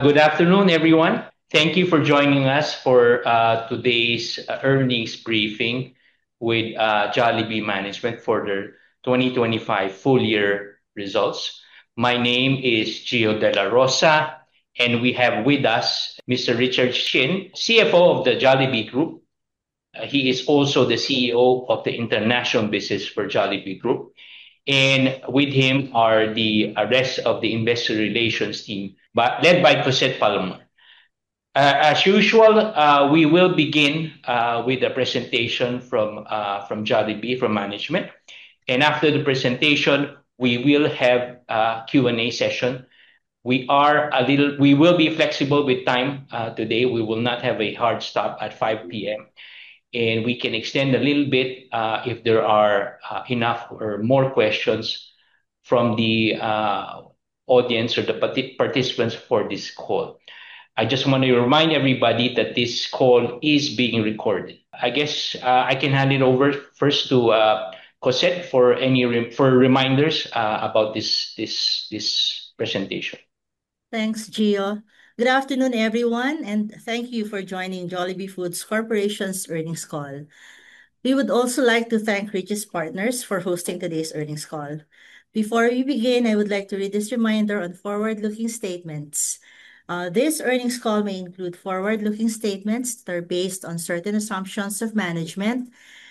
Good afternoon, everyone. Thank you for joining us for today's earnings briefing with Jollibee management for their 2025 full year results. My name is Gio dela Rosa, and we have with us Mr. Richard Shin, CFO of the Jollibee Group. He is also the CEO of the international business for Jollibee Group. With him are the rest of the investor relations team but led by Cosette Palomar. As usual, we will begin with a presentation from Jollibee, from management. After the presentation, we will have a Q&A session. We will be flexible with time today. We will not have a hard stop at 5:00PM, and we can extend a little bit if there are enough or more questions from the audience or the participants for this call. I just want to remind everybody that this call is being recorded. I guess, I can hand it over first to Cossette for any reminders about this presentation. Thanks, Gio. Good afternoon, everyone, and thank you for joining Jollibee Foods Corporation's earnings call. We would also like to thank Regis Partners for hosting today's earnings call. Before we begin, I would like to read this reminder on forward-looking statements. This earnings call may include forward-looking statements that are based on certain assumptions of management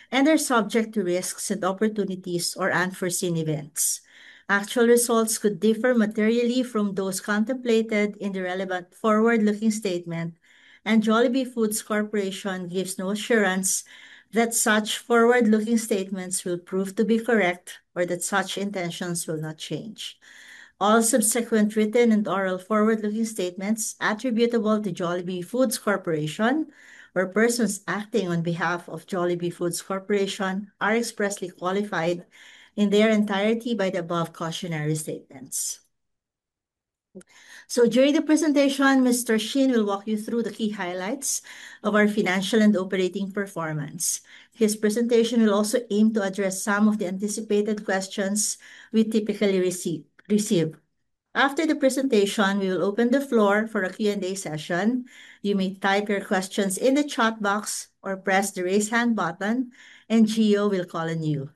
and are subject to risks and opportunities or unforeseen events. Actual results could differ materially from those contemplated in the relevant forward-looking statement, and Jollibee Foods Corporation gives no assurance that such forward-looking statements will prove to be correct or that such intentions will not change. All subsequent written and oral forward-looking statements attributable to Jollibee Foods Corporation or persons acting on behalf of Jollibee Foods Corporation are expressly qualified in their entirety by the above cautionary statements. During the presentation, Mr. Shin will walk you through the key highlights of our financial and operating performance. His presentation will also aim to address some of the anticipated questions we typically receive. After the presentation, we will open the floor for a Q&A session. You may type your questions in the chat box or press the Raise Hand button, and Gio will call on you.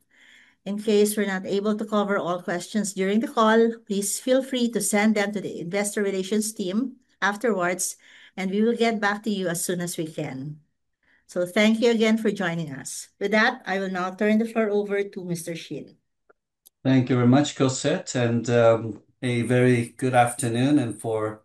In case we're not able to cover all questions during the call, please feel free to send them to the investor relations team afterwards, and we will get back to you as soon as we can. Thank you again for joining us. With that, I will now turn the floor over to Mr. Shin. Thank you very much, Cossette, and a very good afternoon. For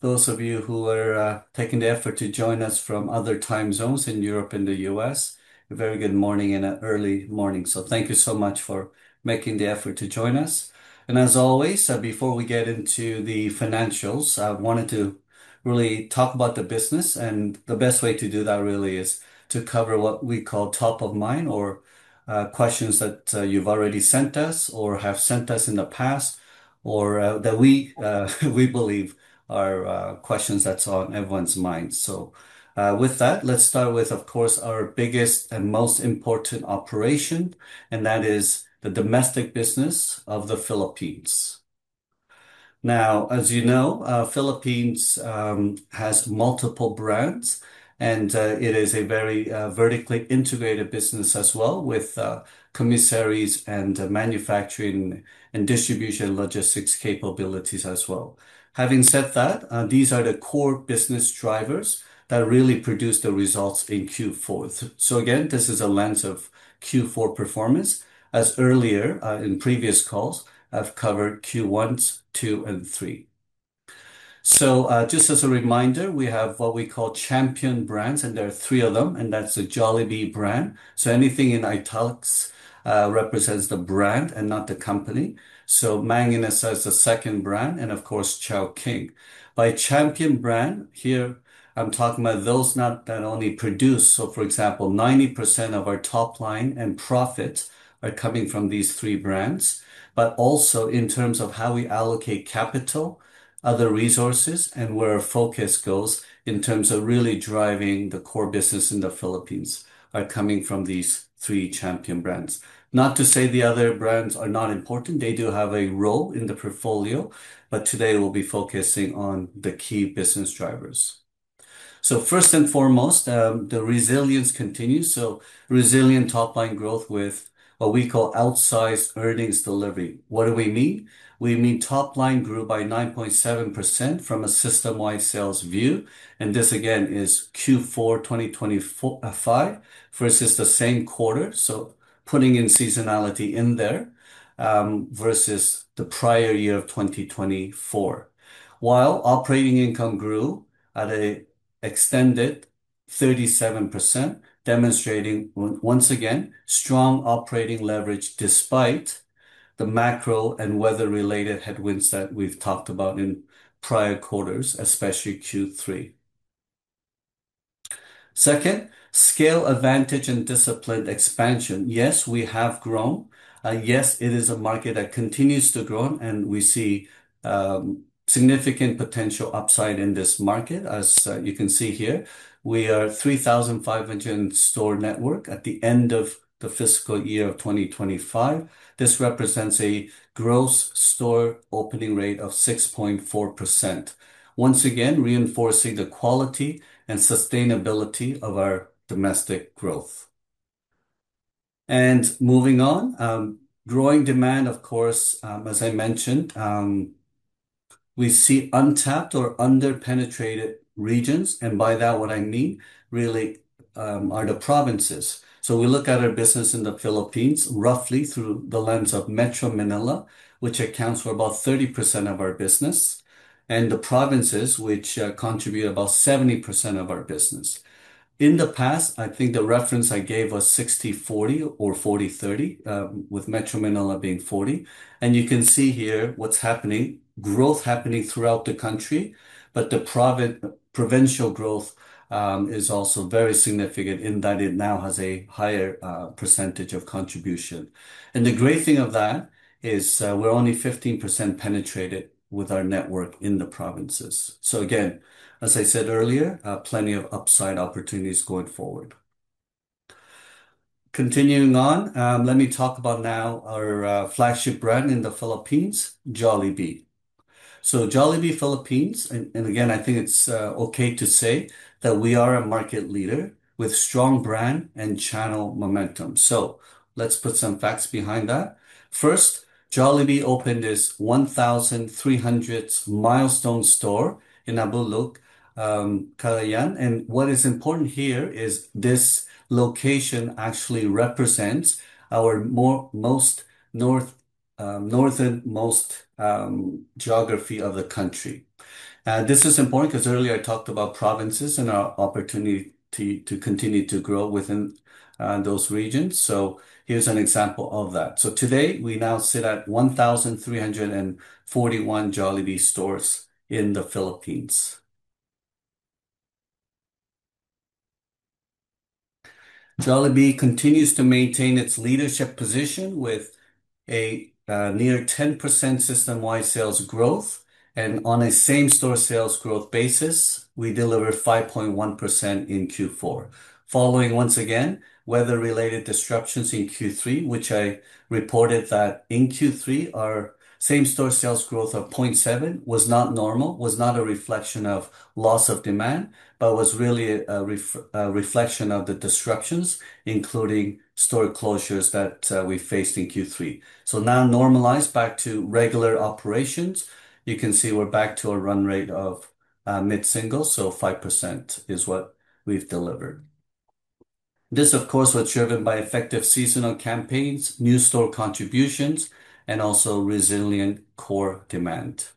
those of you who are taking the effort to join us from other time zones in Europe and the US, a very good morning and an early morning. Thank you so much for making the effort to join us. As always, before we get into the financials, I wanted to really talk about the business. The best way to do that really is to cover what we call top-of-mind or questions that you've already sent us or have sent us in the past or that we believe are questions that's on everyone's mind. With that, let's start with, of course, our biggest and most important operation, and that is the domestic business of the Philippines. Now, as you know, Philippines has multiple brands and it is a very vertically integrated business as well with commissaries and manufacturing and distribution logistics capabilities as well. Having said that, these are the core business drivers that really produce the results in Q4. Again, this is a lens of Q4 performance. As earlier in previous calls, I've covered Q1, Q2 and Q3. Just as a reminder, we have what we call champion brands, and there are three of them, and that's the Jollibee brand. Anything in italics represents the brand and not the company. Mang Inasal is the second brand and of course Chowking. By champion brand here I'm talking about those that not only produce. For example, 90% of our top line and profits are coming from these three brands, but also in terms of how we allocate capital, other resources, and where our focus goes in terms of really driving the core business in the Philippines are coming from these three champion brands. Not to say the other brands are not important, they do have a role in the portfolio, but today we'll be focusing on the key business drivers. First and foremost, the resilience continues. Resilient top-line growth with what we call outsized earnings delivery. What do we mean? We mean top line grew by 9.7% from a system-wide sales view, and this again is Q4 2025 versus the same quarter, so putting in seasonality in there, versus the prior year of 2024. While operating income grew at an extended 37%, demonstrating once again strong operating leverage despite the macro and weather-related headwinds that we've talked about in prior quarters, especially Q3. Second, scale advantage and disciplined expansion. Yes, we have grown. Yes, it is a market that continues to grow, and we see significant potential upside in this market. As you can see here, we have a 3,500-store network at the end of the fiscal year of 2025. This represents a gross store opening rate of 6.4%, once again reinforcing the quality and sustainability of our domestic growth. Moving on, growing demand of course, as I mentioned, we see untapped or under-penetrated regions. By that what I mean, really, are the provinces. We look at our business in the Philippines roughly through the lens of Metro Manila, which accounts for about 30% of our business, and the provinces which contribute about 70% of our business. In the past, I think the reference I gave was 60/40 or 40/30, with Metro Manila being 40. You can see here what's happening, growth happening throughout the country, but the provincial growth is also very significant in that it now has a higher percentage of contribution. The great thing of that is, we're only 15% penetrated with our network in the provinces. Again, as I said earlier, plenty of upside opportunities going forward. Continuing on, let me talk about now our flagship brand in the Philippines, Jollibee. Jollibee Philippines, again, I think it's okay to say that we are a market leader with strong brand and channel momentum. Let's put some facts behind that. First, Jollibee opened its 1,300th milestone store in Abulug, Cagayan. What is important here is this location actually represents our most northernmost geography of the country. This is important because earlier I talked about provinces and our opportunity to continue to grow within those regions. Here's an example of that. Today, we now sit at 1,341 Jollibee stores in the Philippines. Jollibee continues to maintain its leadership position with a near 10% systemwide sales growth. On a same-store sales growth basis, we delivered 5.1% in Q4. Following once again weather-related disruptions in Q3, which I reported that in Q3 our same-store sales growth of 0.7% was not normal, was not a reflection of loss of demand, but was really a reflection of the disruptions, including store closures that we faced in Q3. Now normalized back to regular operations, you can see we're back to a run rate of mid-single, so 5% is what we've delivered. This of course was driven by effective seasonal campaigns, new store contributions, and also resilient core demand.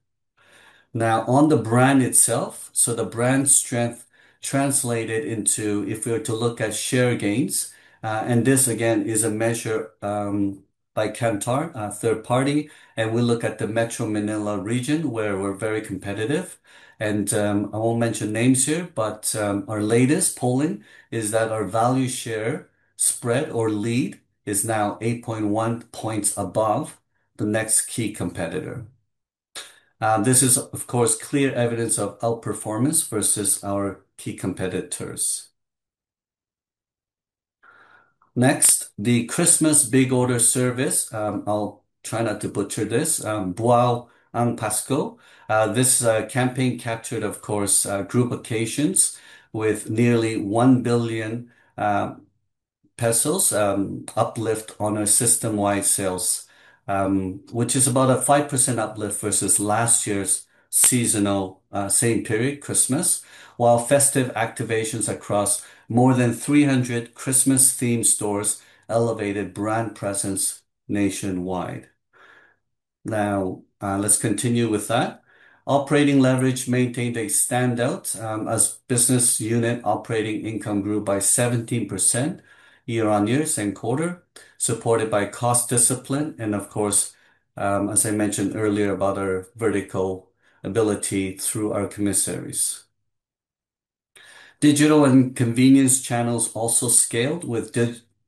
Now, on the brand itself, the brand strength translated into if we were to look at share gains, and this again is a measure by Kantar, a third party, and we look at the Metro Manila region where we're very competitive. I won't mention names here, but our latest polling is that our value share spread or lead is now 8.1 points above the next key competitor. This is of course clear evidence of outperformance versus our key competitors. Next, the Christmas big order service, I'll try not to butcher this, Buo ang Pasko. This campaign captured of course group occasions with nearly PHP 1 billion uplift on our systemwide sales, which is about a 5% uplift versus last year's seasonal same period Christmas, while festive activations across more than 300 Christmas-themed stores elevated brand presence nationwide. Now, let's continue with that. Operating leverage maintained a standout as business unit operating income grew by 17% year-on-year same quarter, supported by cost discipline and of course, as I mentioned earlier about our vertical ability through our commissaries. Digital and convenience channels also scaled with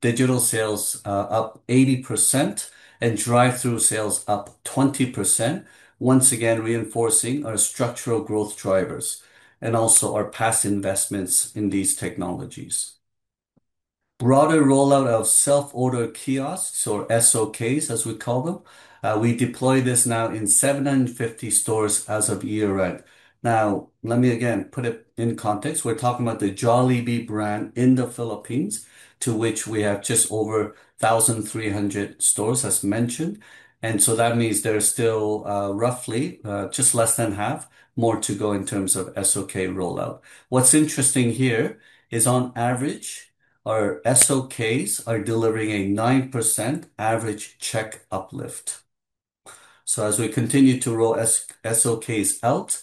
digital sales up 80% and drive-thru sales up 20%, once again reinforcing our structural growth drivers and also our past investments in these technologies. Broader rollout of self-order kiosks or SOKs, as we call them. We deploy this now in 750 stores as of year-end. Now, let me again put it in context. We're talking about the Jollibee brand in the Philippines, to which we have just over 1,300 stores, as mentioned. That means there are still, roughly, just less than half more to go in terms of SOK rollout. What's interesting here is on average, our SOKs are delivering a 9% average check uplift. As we continue to roll SOKs out,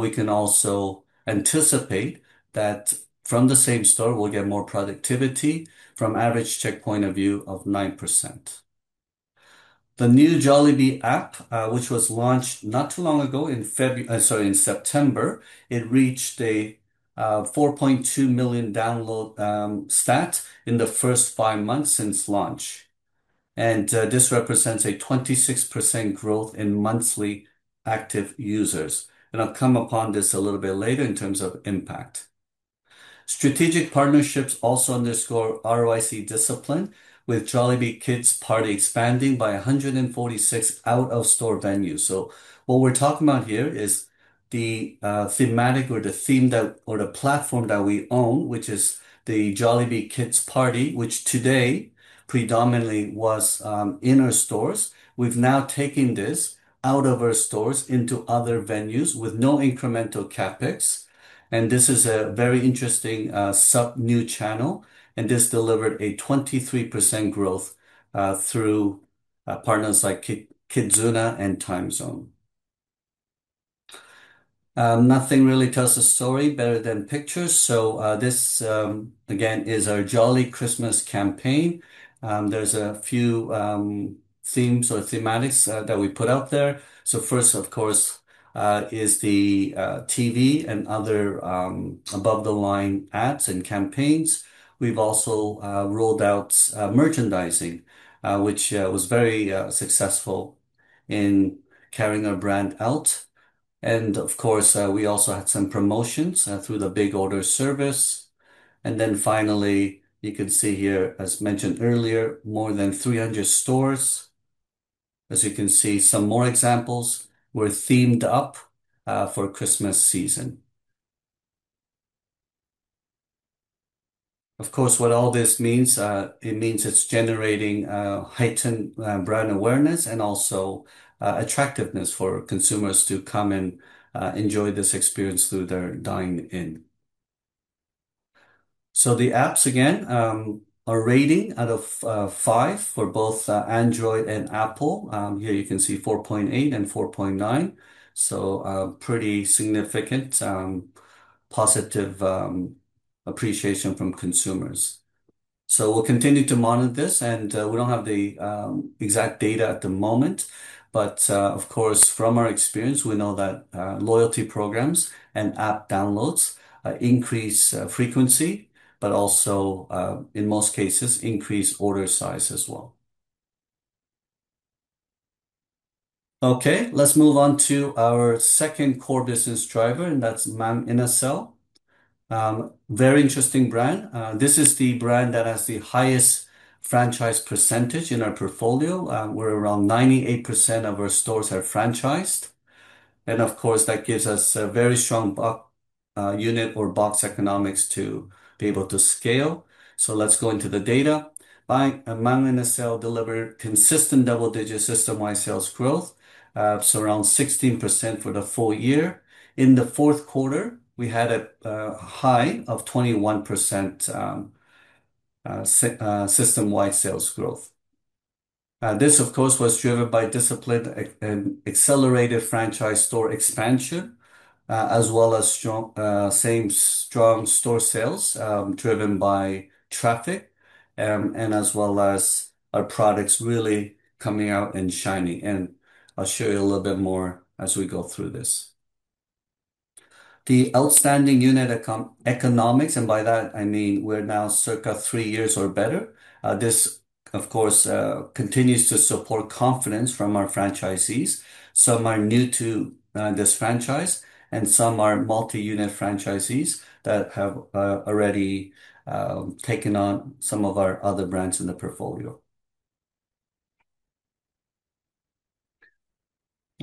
we can also anticipate that from the same store we'll get more productivity from average check point of view of 9%. The new Jollibee app, which was launched not too long ago in September, it reached a 4.2 million download stat in the first five months since launch. This represents a 26% growth in monthly active users. I'll come upon this a little bit later in terms of impact. Strategic partnerships also underscore ROIC discipline with Jollibee Kids Party expanding by 146 out-of-store venues. What we're talking about here is the theme or the platform that we own, which is the Jollibee Kids Party, which today predominantly was in our stores. We've now taken this out of our stores into other venues with no incremental CapEx, and this is a very interesting new channel, and this delivered a 23% growth through partners like KidZania and Timezone. Nothing really tells a story better than pictures, so this again is our Joyful Christmas campaign. There's a few themes or thematics that we put out there. First, of course, is the TV and other above-the-line ads and campaigns. We've also rolled out merchandising, which was very successful in carrying our brand out. Of course, we also had some promotions through the Big Order service. Finally, you can see here, as mentioned earlier, more than 300 stores. As you can see, some more examples were themed up for Christmas season. Of course, what all this means, it means it's generating heightened brand awareness and also attractiveness for consumers to come and enjoy this experience through their dine in. The apps again are rating out of five for both Android and Apple. Here you can see 4.8 and 4.9, so pretty significant positive appreciation from consumers. We'll continue to monitor this, and we don't have the exact data at the moment, but of course, from our experience, we know that loyalty programs and app downloads increase frequency, but also, in most cases, increase order size as well. Okay. Let's move on to our second core business driver, and that's Mang Inasal. Very interesting brand. This is the brand that has the highest franchise percentage in our portfolio. We're around 98% of our stores are franchised. Of course, that gives us a very strong box unit or box economics to be able to scale. Let's go into the data. Mang Inasal delivered consistent double-digit systemwide sales growth of around 16% for the full year. In the Q4, we had a high of 21% systemwide sales growth. This, of course, was driven by disciplined and accelerated franchise store expansion, as well as strong same-store sales, driven by traffic, and as well as our products really coming out and shining. I'll show you a little bit more as we go through this. The outstanding unit economics, and by that I mean we're now circa three years or better. This, of course, continues to support confidence from our franchisees. Some are new to this franchise, and some are multi-unit franchisees that have already taken on some of our other brands in the portfolio.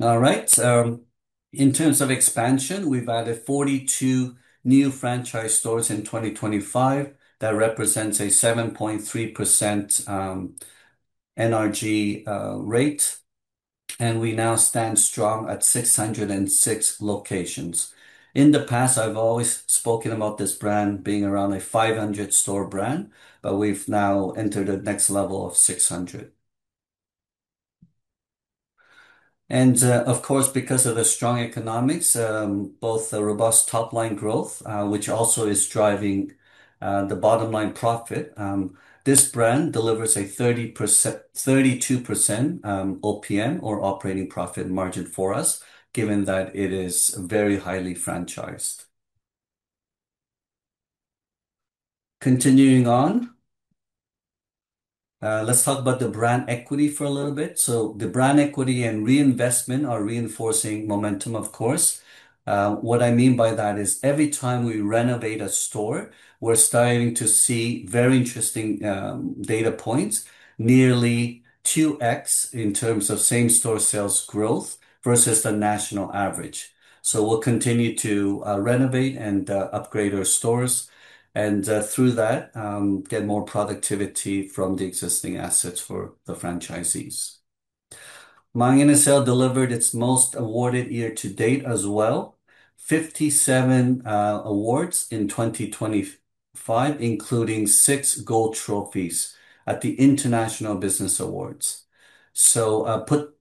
All right. In terms of expansion, we've added 42 new franchise stores in 2025. That represents a 7.3% NRG rate, and we now stand strong at 606 locations. In the past, I've always spoken about this brand being around a 500-store brand, but we've now entered the next level of 600. Of course, because of the strong economics, both the robust top-line growth, which also is driving the bottom line profit, this brand delivers a 32% OPM or operating profit margin for us, given that it is very highly franchised. Continuing on, let's talk about the brand equity for a little bit. The brand equity and reinvestment are reinforcing momentum, of course. What I mean by that is every time we renovate a store, we're starting to see very interesting data points, nearly 2x in terms of same-store sales growth versus the national average. We'll continue to renovate and upgrade our stores, and through that, get more productivity from the existing assets for the franchisees. Mang Inasal delivered its most awarded year to date as well. 57 awards in 2025, including six gold trophies at the International Business Awards.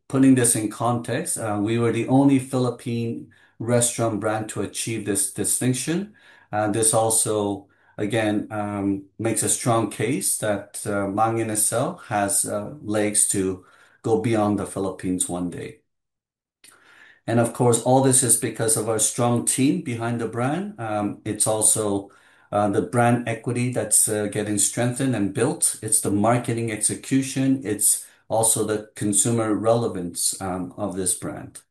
Putting this in context, we were the only Philippine restaurant brand to achieve this distinction. This also, again, makes a strong case that Mang Inasal has legs to go beyond the Philippines one day. Of course, all this is because of our strong team behind the brand. It's also the brand equity that's getting strengthened and built. It's the marketing execution. It's also the consumer relevance of this brand.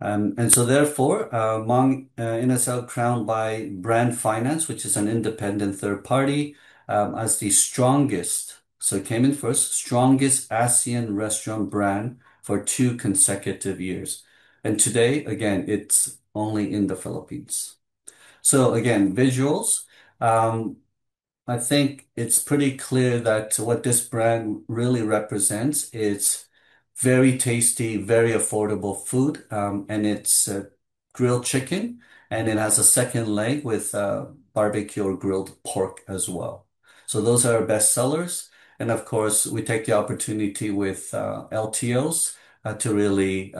Mang Inasal crowned by Brand Finance, which is an independent third party, as the strongest, so it came in first, strongest ASEAN restaurant brand for two consecutive years. Today, again, it's only in the Philippines. Again, visuals. I think it's pretty clear that what this brand really represents, it's very tasty, very affordable food, and it's a grilled chicken, and it has a second leg with barbecue or grilled pork as well. Those are our bestsellers. Of course, we take the opportunity with LTOs to really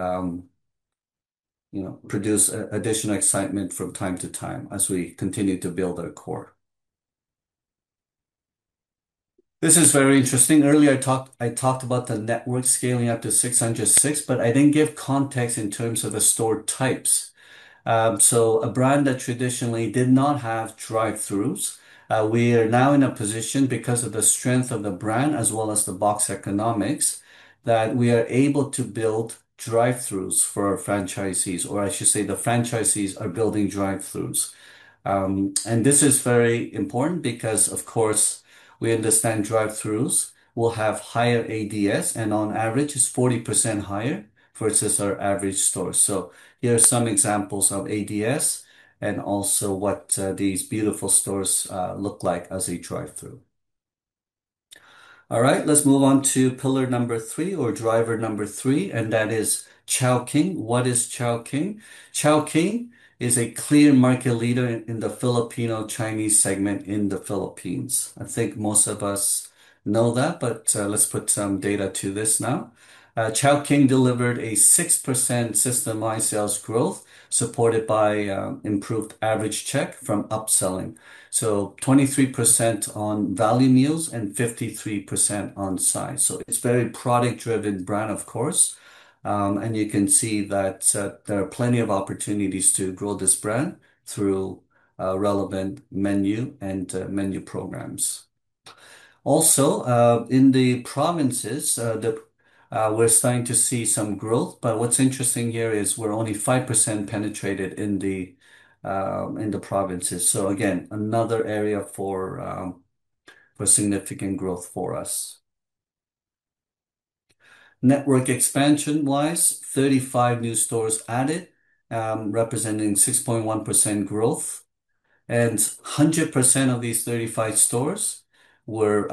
you know produce additional excitement from time to time as we continue to build our core. This is very interesting. Earlier I talked about the network scaling up to 606, but I didn't give context in terms of the store types. A brand that traditionally did not have drive-throughs, we are now in a position because of the strength of the brand as well as the box economics, that we are able to build drive-throughs for our franchisees, or I should say, the franchisees are building drive-throughs. This is very important because, of course, we understand drive-throughs will have higher ADS, and on average, it's 40% higher versus our average store. Here are some examples of ADS and also what these beautiful stores look like as a drive-through. All right, let's move on to pillar number three or driver number three, and that is Chowking. What is Chowking? Chowking is a clear market leader in the Filipino Chinese segment in the Philippines. I think most of us know that, but let's put some data to this now. Chowking delivered a 6% systemwide sales growth supported by improved average check from upselling. Twenty-three percent on value meals and fifty-three percent on size. It's a very product-driven brand, of course. You can see that there are plenty of opportunities to grow this brand through a relevant menu and menu programs. Also, in the provinces, we're starting to see some growth, but what's interesting here is we're only 5% penetrated in the provinces. Again, another area for significant growth for us. Network expansion-wise, 35 new stores added, representing 6.1% growth, and 100% of these 35 stores were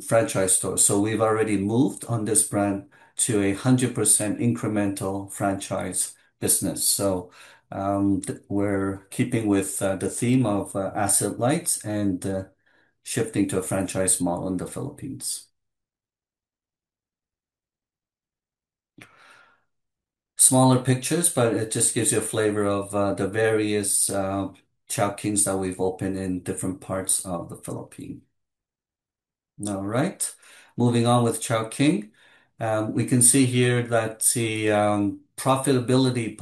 franchise stores. We've already moved on this brand to a 100% incremental franchise business. We're keeping with the theme of asset-light and shifting to a franchise model in the Philippines. Smaller pictures, but it just gives you a flavor of the various Chowkings that we've opened in different parts of the Philippines. All right, moving on with Chowking. We can see here that the profitability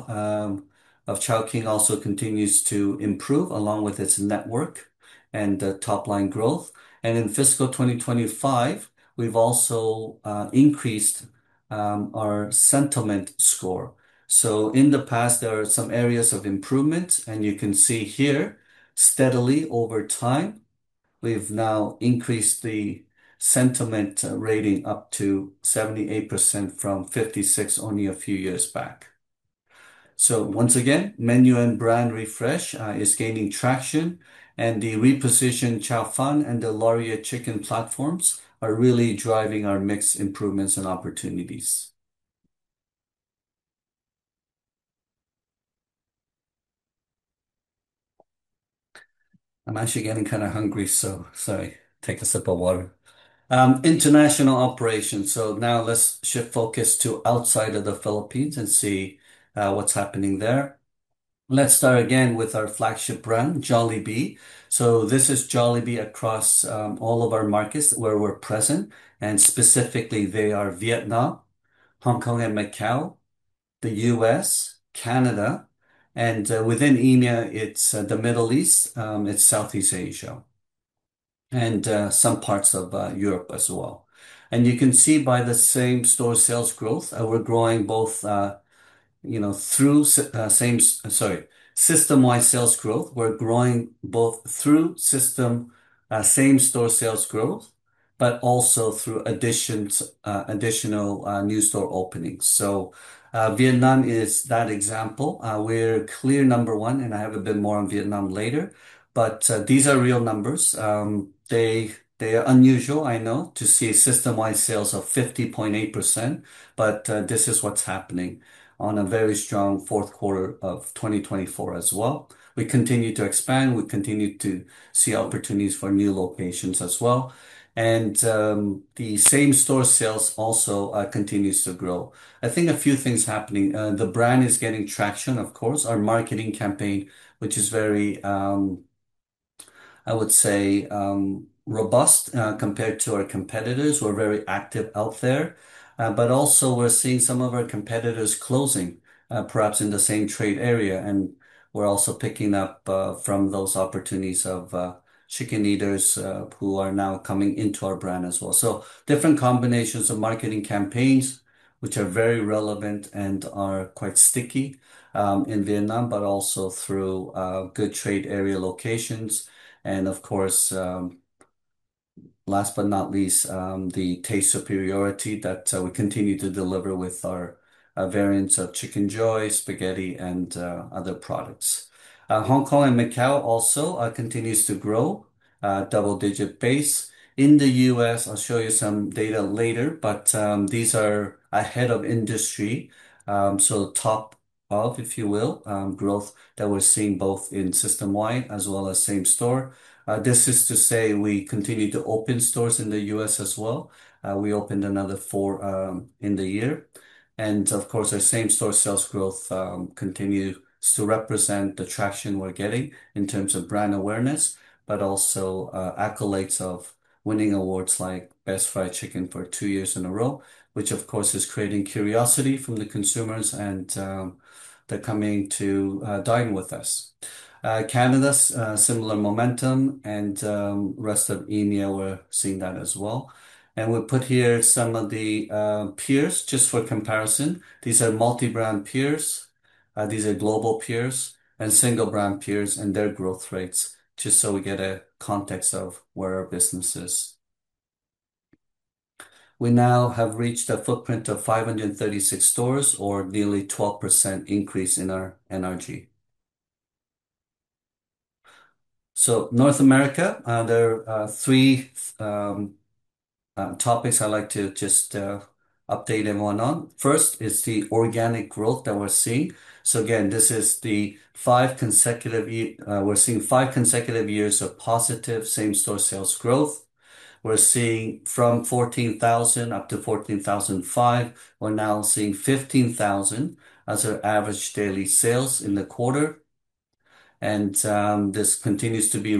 of Chowking also continues to improve along with its network and the top-line growth. In fiscal 2025, we've also increased our sentiment score. In the past, there are some areas of improvement, and you can see here steadily over time, we've now increased the sentiment rating up to 78% from 56 only a few years back. Once again, menu and brand refresh is gaining traction, and the repositioned Chao Fan and the Lauriat Chicken platforms are really driving our mix improvements and opportunities. I'm actually getting kind of hungry, so sorry, take a sip of water. International operations. Now let's shift focus to outside of the Philippines and see what's happening there. Let's start again with our flagship brand, Jollibee. This is Jollibee across all of our markets where we're present, and specifically, they are Vietnam, Hong Kong and Macau, the US, Canada, and within EMEA, it's the Middle East, it's Southeast Asia, and some parts of Europe as well. You can see by the system-wide sales growth, we're growing both, you know, through same-store sales growth, but also through additional new store openings. Vietnam is that example. We're clearly number one, and I have a bit more on Vietnam later, but these are real numbers. They are unusual, I know, to see system-wide sales of 50.8%, but this is what's happening on a very strong Q4 of 2024 as well. We continue to expand. We continue to see opportunities for new locations as well. The same-store sales also continues to grow. I think a few things happening. The brand is gaining traction, of course. Our marketing campaign, which is very, I would say, robust, compared to our competitors. We're very active out there. But also we're seeing some of our competitors closing, perhaps in the same trade area, and we're also picking up from those opportunities of chicken eaters, who are now coming into our brand as well. Different combinations of marketing campaigns, which are very relevant and are quite sticky, in Vietnam, but also through good trade area locations. Of course, last but not least, the taste superiority that we continue to deliver with our variants of Chickenjoy, spaghetti, and other products. Hong Kong and Macau also continues to grow double digit base. In the US, I'll show you some data later, but these are ahead of industry. Top of mind, if you will, growth that we're seeing both in system-wide as well as same-store. This is to say we continue to open stores in the US as well. We opened another four in the year. Of course, our same-store sales growth continue to represent the traction we're getting in terms of brand awareness, but also accolades of winning awards like Best Fried Chicken for two years in a row, which of course is creating curiosity from the consumers and they're coming to dine with us. Canada's similar momentum and rest of EMEA, we're seeing that as well. We put here some of the peers just for comparison. These are multi-brand peers, these are global peers and single brand peers and their growth rates, just so we get a context of where our business is. We now have reached a footprint of 536 stores or nearly 12% increase in our NRG. North America, there are three topics I'd like to just update everyone on. First is the organic growth that we're seeing. We're seeing five consecutive years of positive same-store sales growth. We're seeing from 14,000 up to 14,005, we're now seeing 15,000 as our average daily sales in the quarter. This continues to be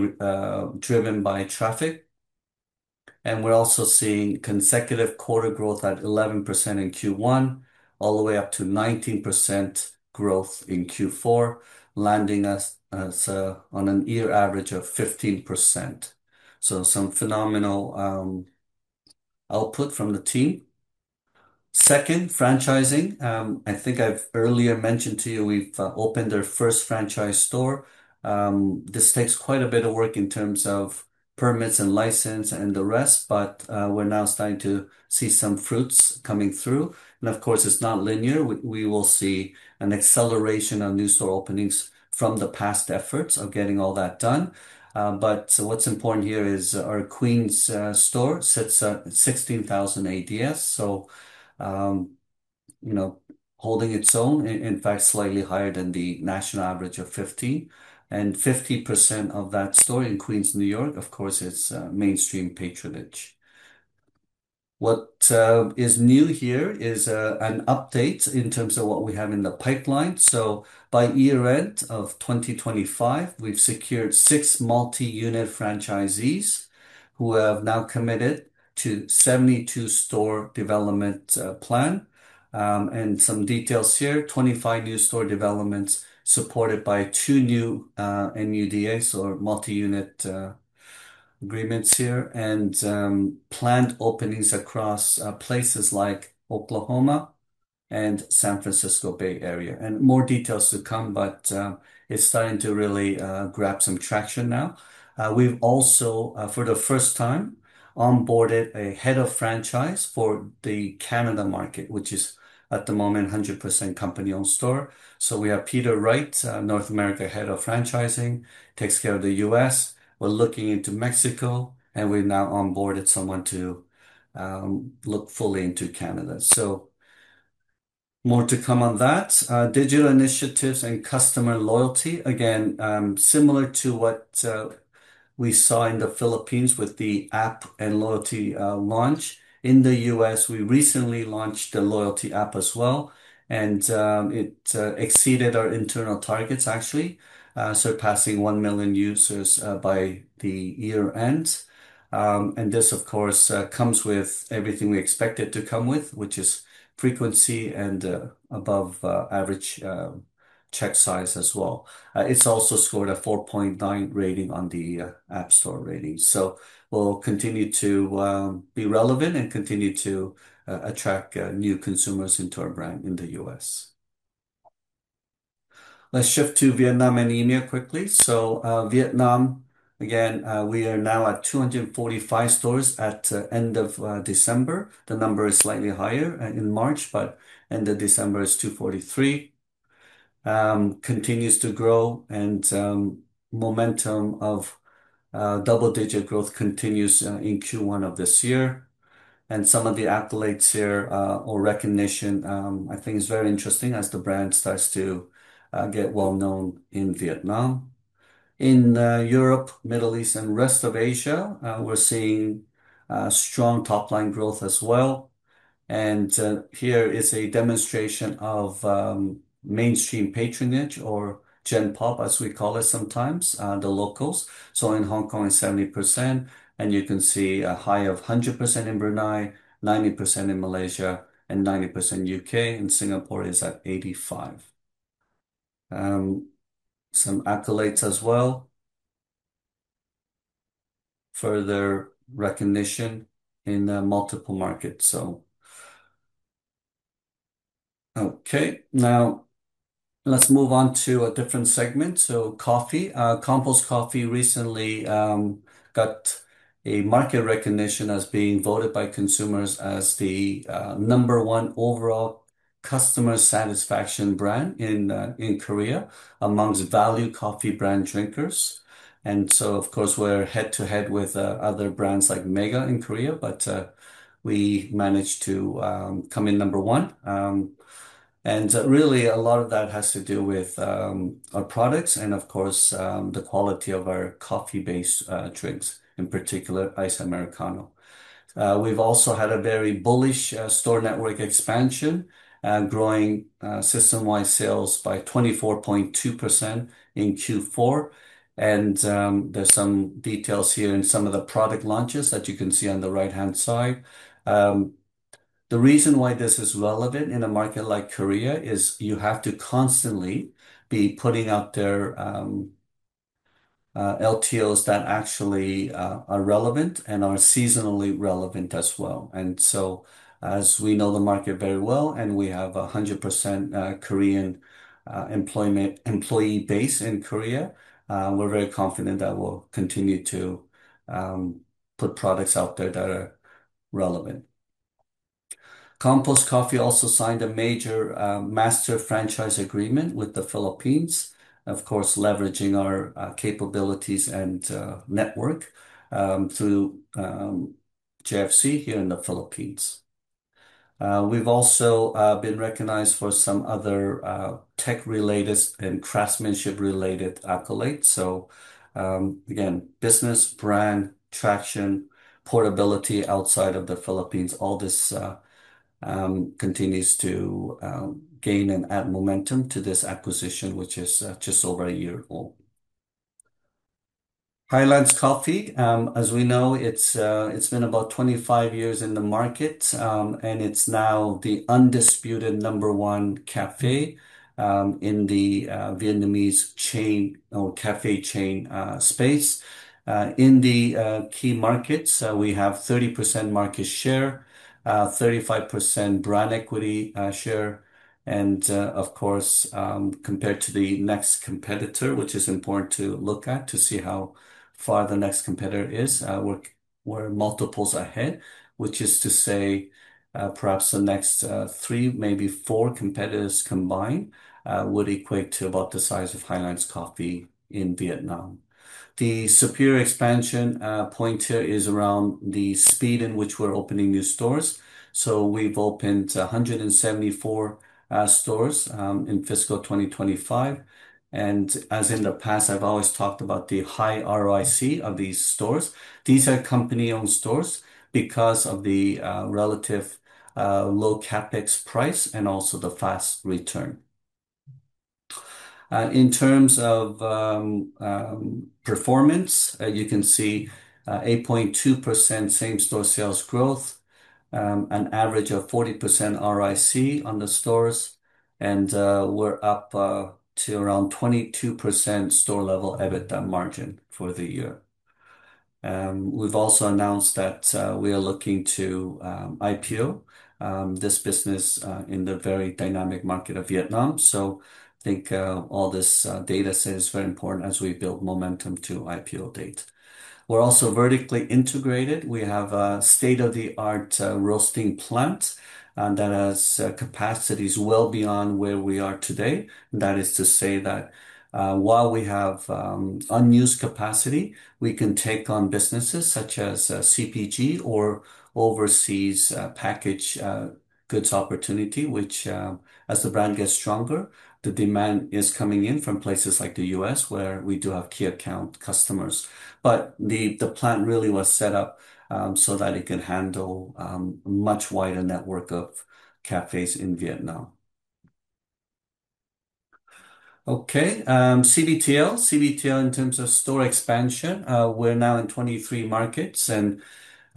driven by traffic. We're also seeing consecutive quarter growth at 11% in Q1 all the way up to 19% growth in Q4, landing us on a year average of 15%. Some phenomenal output from the team. Second, franchising. I think I've earlier mentioned to you we've opened our first franchise store. This takes quite a bit of work in terms of permits and license and the rest, but we're now starting to see some fruits coming through. Of course, it's not linear. We will see an acceleration of new store openings from the past efforts of getting all that done. But what's important here is our Queens store sits at 16,000 ADS. You know, holding its own, in fact, slightly higher than the national average of 50. Fifty percent of that store in Queens, New York, of course, it's mainstream patronage. What is new here is an update in terms of what we have in the pipeline. By year-end of 2025, we've secured six multi-unit franchisees who have now committed to 72 store development plan. Some details here. 25 new store developments supported by two new MUDAs or multi-unit agreements here. Planned openings across places like Oklahoma and San Francisco Bay Area. More details to come, but it's starting to really grab some traction now. We've also, for the first time, onboarded a head of franchise for the Canada market, which is at the moment 100% company-owned store. We have Peter Wright, North America Head of Franchising, takes care of the US. We're looking into Mexico, and we've now onboarded someone to look fully into Canada. More to come on that. Digital initiatives and customer loyalty. Again, similar to what we saw in the Philippines with the app and loyalty launch. In the US, we recently launched the loyalty app as well, and it exceeded our internal targets actually, surpassing 1 million users by the year-end. This of course comes with everything we expect it to come with, which is frequency and above average check size as well. It's also scored a 4.9 rating on the app store ratings. We'll continue to be relevant and continue to attract new consumers into our brand in the US. Let's shift to Vietnam and EMEA quickly. Vietnam, again, we are now at 245 stores at end of December. The number is slightly higher in March, but end of December is 243. Continues to grow and momentum of double-digit growth continues in Q1 of this year. Some of the accolades here or recognition I think is very interesting as the brand starts to get well known in Vietnam. In Europe, Middle East, and rest of Asia, we're seeing strong top-line growth as well. Here is a demonstration of mainstream patronage or gen pop as we call it sometimes, the locals. In Hong Kong, it's 70%, and you can see a high of 100% in Brunei, 90% in Malaysia, and 90% UK, and Singapore is at 85%. Some accolades as well. Further recognition in multiple markets. Okay. Now let's move on to a different segment. Coffee. Compose Coffee recently got a market recognition as being voted by consumers as the number one overall customer satisfaction brand in Korea amongst value coffee brand drinkers. Of course, we're head-to-head with other brands like Mega Coffee in Korea, but we managed to come in number one. Really a lot of that has to do with our products and of course the quality of our coffee-based drinks, in particular Iced Americano. We've also had a very bullish store network expansion growing system-wide sales by 24.2% in Q4. There's some details here in some of the product launches that you can see on the right-hand side. The reason why this is relevant in a market like Korea is you have to constantly be putting out there LTOs that actually are relevant and are seasonally relevant as well. As we know the market very well, and we have 100% Korean employee base in Korea, we're very confident that we'll continue to put products out there that are relevant. Compose Coffee also signed a major master franchise agreement with the Philippines, of course, leveraging our capabilities and network through JFC here in the Philippines. We've also been recognized for some other tech-related and craftsmanship-related accolades. Again, business, brand, traction, portability outside of the Philippines, all this continues to gain and add momentum to this acquisition, which is just over a year old. Highlands Coffee, as we know, it's been about 25 years in the market, and it's now the undisputed number one cafe in the Vietnamese chain or cafe chain space. In the key markets, we have 30% market share, 35% brand equity share, and, of course, compared to the next competitor, which is important to look at to see how far the next competitor is, we're multiples ahead. Which is to say, perhaps the next three, maybe four competitors combined would equate to about the size of Highlands Coffee in Vietnam. The superior expansion point here is around the speed in which we're opening new stores. We've opened 174 stores in fiscal 2025. As in the past, I've always talked about the high ROIC of these stores. These are company-owned stores because of the relative low CapEx price and also the fast return. In terms of performance, you can see 8.2% same-store sales growth, an average of 40% ROIC on the stores, and we're up to around 22% store-level EBITDA margin for the year. We've also announced that we are looking to IPO this business in the very dynamic market of Vietnam. I think all this data set is very important as we build momentum to IPO date. We're also vertically integrated. We have a state-of-the-art roasting plant that has capacities well beyond where we are today. That is to say that while we have unused capacity, we can take on businesses such as CPG or overseas packaged goods opportunity, which, as the brand gets stronger, the demand is coming in from places like the US, where we do have key account customers. The plant really was set up so that it could handle much wider network of cafes in Vietnam. Okay. CBTL. CBTL in terms of store expansion, we're now in 23 markets, and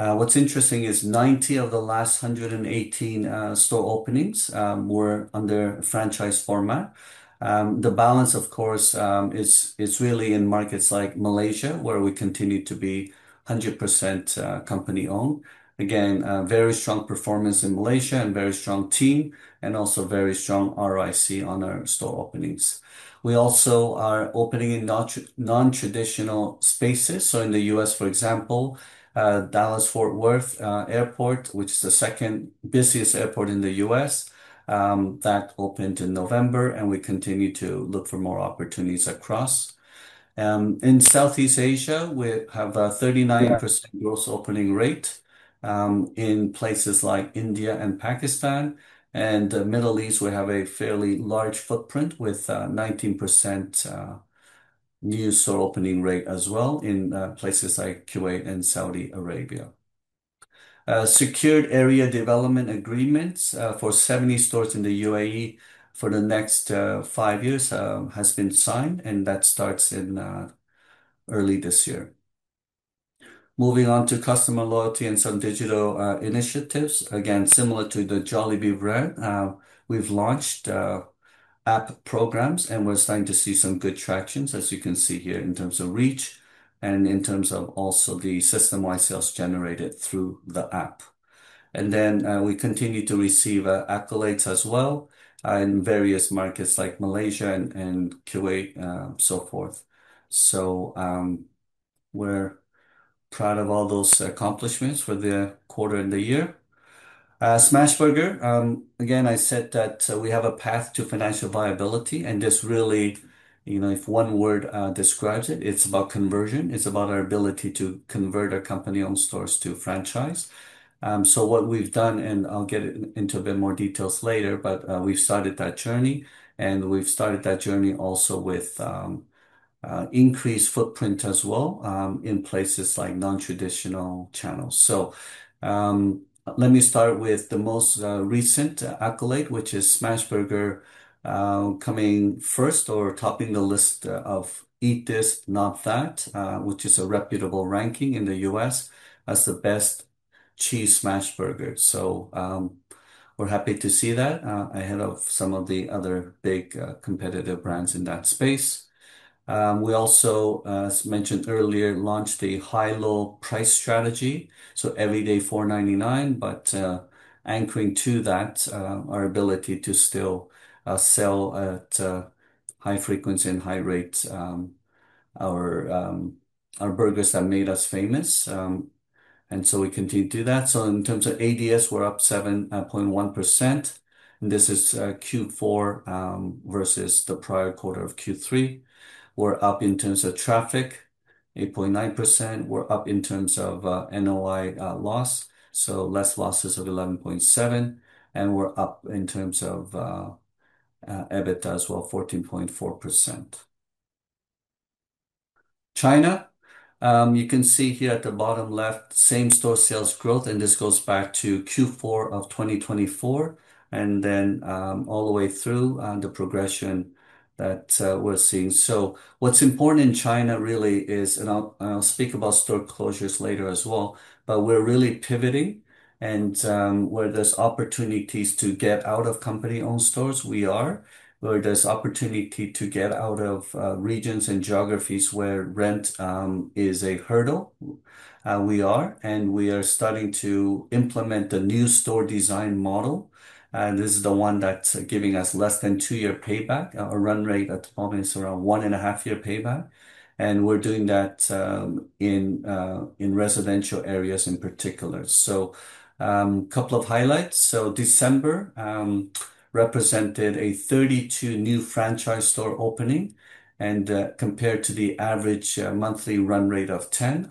what's interesting is 90 of the last 118 store openings were under franchise format. The balance, of course, is really in markets like Malaysia, where we continue to be 100% company-owned. Again, very strong performance in Malaysia and very strong team and also very strong ROIC on our store openings. We also are opening in non-traditional spaces. In the US, for example, Dallas Fort Worth Airport, which is the second busiest airport in the US, that opened in November, and we continue to look for more opportunities across. In Southeast Asia, we have a 39% gross opening rate. In places like India and Pakistan and Middle East, we have a fairly large footprint with 19% new store opening rate as well in places like Kuwait and Saudi Arabia. Secured area development agreements for 70 stores in the UAE for the next five years has been signed, and that starts in early this year. Moving on to customer loyalty and some digital initiatives. Again, similar to the Jollibee brand, we've launched app programs, and we're starting to see some good traction, as you can see here, in terms of reach and in terms of also the system-wide sales generated through the app. We continue to receive accolades as well in various markets like Malaysia and Kuwait, so forth. We're proud of all those accomplishments for the quarter and the year. Smashburger, again, I said that we have a path to financial viability, and this really, you know, if one word describes it's about conversion. It's about our ability to convert our company-owned stores to franchise. What we've done, and I'll get into a bit more details later, but we've started that journey also with increased footprint as well in places like non-traditional channels. Let me start with the most recent accolade, which is Smashburger coming first or topping the list of Eat This, Not That! which is a reputable ranking in the US as the best cheese Smashburger. We're happy to see that ahead of some of the other big competitive brands in that space. We also, as mentioned earlier, launched a high-low price strategy, every day $4.99. Anchoring to that, our ability to still sell at high frequency and high rates, our burgers that made us famous. We continue to do that. In terms of ADS, we're up 7.1%, and this is Q4 versus the prior quarter of Q3. We're up in terms of traffic, 8.9%. We're up in terms of NOI loss, so less losses of 11.7%. We're up in terms of EBITDA as well, 14.4%. China, you can see here at the bottom left, same-store sales growth, and this goes back to Q4 of 2024 and then all the way through the progression that we're seeing. What's important in China really is, and I'll speak about store closures later as well, but we're really pivoting and where there's opportunities to get out of company-owned stores, we are. Where there's opportunity to get out of regions and geographies where rent is a hurdle, we are. We are starting to implement the new store design model. This is the one that's giving us less than two-year payback. Our run rate at the moment is around one and a half year payback, and we're doing that in residential areas in particular. Couple of highlights. December represented a 32 new franchise store opening and compared to the average monthly run rate of 10,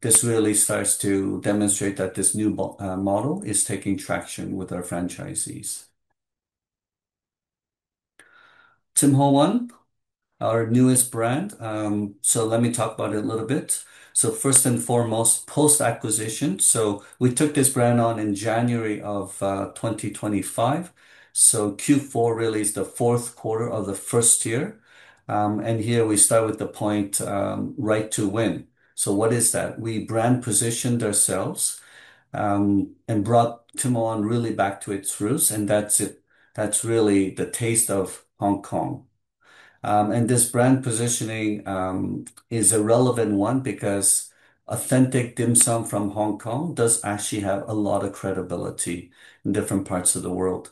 this really starts to demonstrate that this new model is taking traction with our franchisees. Tim Ho Wan, our newest brand. Let me talk about it a little bit. First and foremost, post-acquisition. We took this brand on in January of 2025. Q4 really is the Q4 of the first year. Here we start with the point, right to win. What is that? We brand positioned ourselves, and brought Tim Ho Wan really back to its roots, and that's really the taste of Hong Kong. This brand positioning is a relevant one because authentic dim sum from Hong Kong does actually have a lot of credibility in different parts of the world.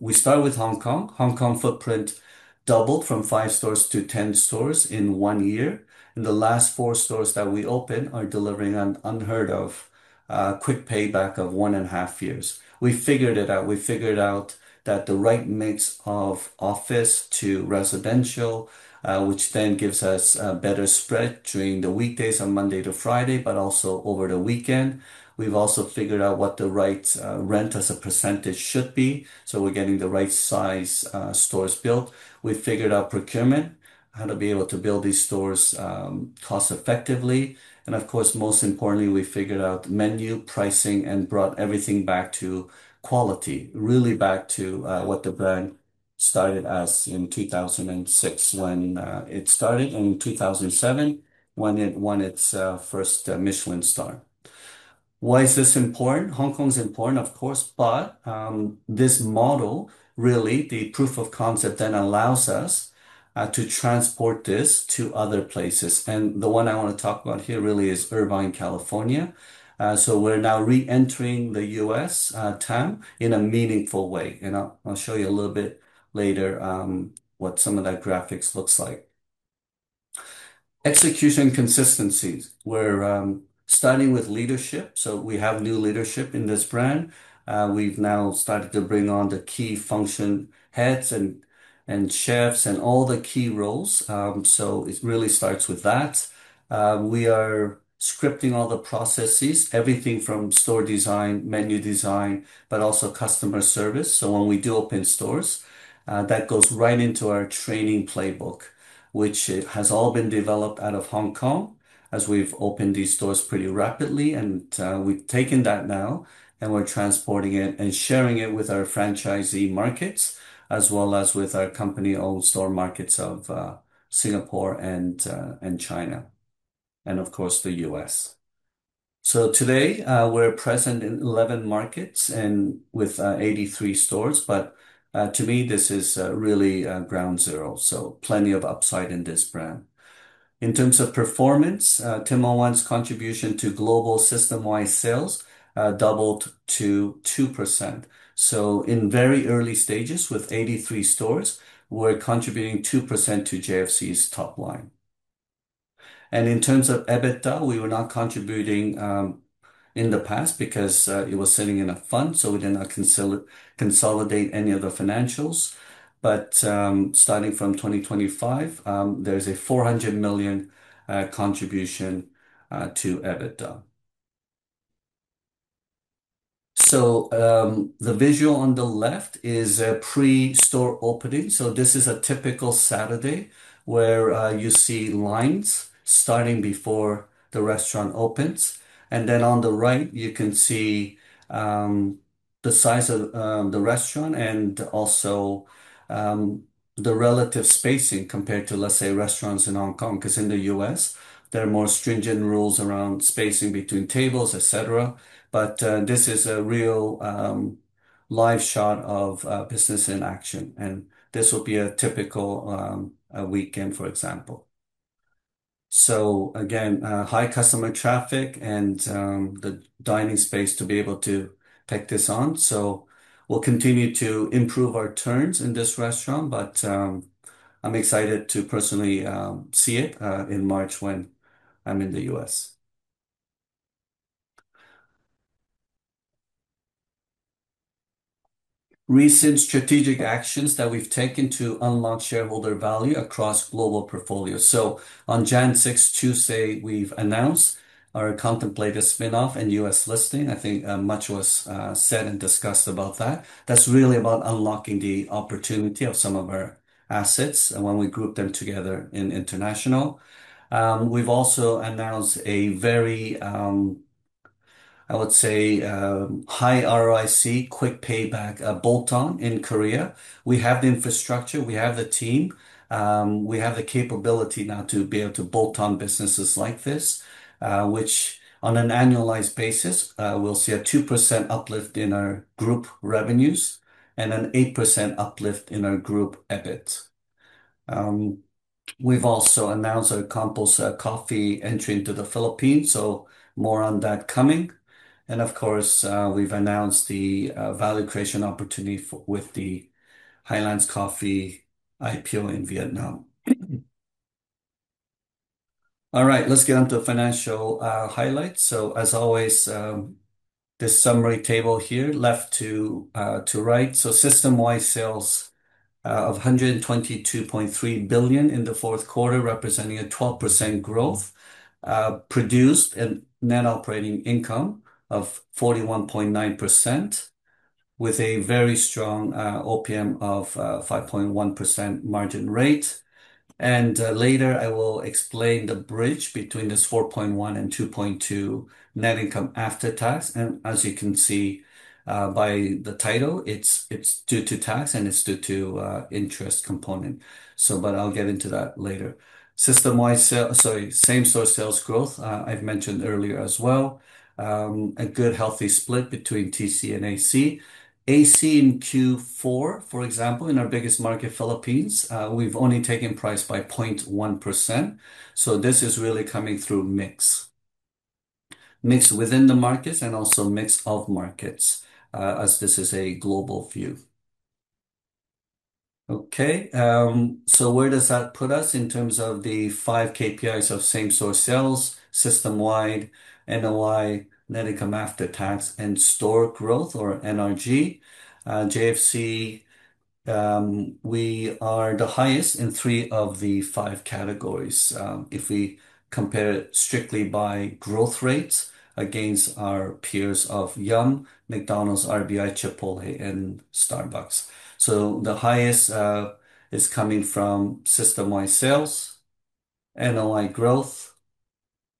We start with Hong Kong. Hong Kong footprint doubled from five stores to 10 stores in one year. The last four stores that we opened are delivering an unheard of quick payback of one and half years. We figured it out. We figured out that the right mix of office to residential, which then gives us better spread during the weekdays on Monday to Friday, but also over the weekend. We've also figured out what the right rent as a percentage should be, so we're getting the right size stores built. We figured out procurement, how to be able to build these stores cost-effectively. Of course, most importantly, we figured out menu pricing and brought everything back to quality, really back to what the brand started as in 2006 when it started, in 2007 when it won its first Michelin star. Why is this important? Hong Kong is important, of course, but this model, really the proof of concept, then allows us to transport this to other places. The one I want to talk about here really is Irvine, California. We're now reentering the US TAM in a meaningful way, and I'll show you a little bit later what some of that graphics looks like. Execution consistency. We're starting with leadership. We have new leadership in this brand. We've now started to bring on the key function heads and chefs and all the key roles. It really starts with that. We are scripting all the processes, everything from store design, menu design, but also customer service. When we do open stores, that goes right into our training playbook, which it has all been developed out of Hong Kong as we've opened these stores pretty rapidly. We've taken that now, and we're transporting it and sharing it with our franchisee markets as well as with our company-owned store markets of Singapore and China, and of course the US. Today, we're present in 11 markets and with 83 stores. To me, this is really ground zero. Plenty of upside in this brand. In terms of performance, Tim Ho Wan's contribution to global system-wide sales doubled to 2%. In very early stages with 83 stores, we're contributing 2% to JFC's top line. In terms of EBITDA, we were not contributing in the past because it was sitting in a fund, so we did not consolidate any of the financials. Starting from 2025, there's a 400 million contribution to EBITDA. The visual on the left is a pre-store opening. This is a typical Saturday where you see lines starting before the restaurant opens. Then on the right, you can see the size of the restaurant and also the relative spacing compared to, let's say, restaurants in Hong Kong. because in the US, there are more stringent rules around spacing between tables, et cetera. This is a real live shot of business in action, and this will be a typical weekend, for example. Again, high customer traffic and the dining space to be able to take this on. We'll continue to improve our turns in this restaurant, but I'm excited to personally see it in March when I'm in the US Recent strategic actions that we've taken to unlock shareholder value across global portfolio. On January 6, Tuesday, we've announced our contemplated spin-off and US listing. I think much was said and discussed about that. That's really about unlocking the opportunity of some of our assets and when we group them together in international. We've also announced a very, I would say, high ROIC, quick payback, bolt-on in Korea. We have the infrastructure, we have the team, we have the capability now to be able to bolt on businesses like this, which on an annualized basis, we'll see a 2% uplift in our group revenues and an 8% uplift in our group EBIT. We've also announced our Compose Coffee entry into the Philippines, so more on that coming. Of course, we've announced the value creation opportunity with the Highlands Coffee IPO in Vietnam. All right, let's get onto financial highlights. As always, this summary table here left to right. System-wide sales of 122.3 billion in the Q4, representing a 12% growth, produced a net operating income of 41.9% with a very strong OPM of 5.1% margin rate. Later I will explain the bridge between this 4.1 and 2.2 net income after tax. As you can see by the title, it's due to tax and it's due to interest component. But I'll get into that later. System-wide same-store sales growth I've mentioned earlier as well. A good healthy split between TC and AC. AC in Q4, for example, in our biggest market, Philippines, we've only taken price by 0.1%, so this is really coming through mix. Mix within the markets and also mix of markets, as this is a global view. Okay. Where does that put us in terms of the five KPIs of same-store sales, system-wide NOI, net income after tax, and store growth or NRG? JFC, we are the highest in three of the five categories, if we compare strictly by growth rates against our peers of Yum, McDonald's, RBI, Chipotle, and Starbucks. The highest is coming from system-wide sales, NOI growth,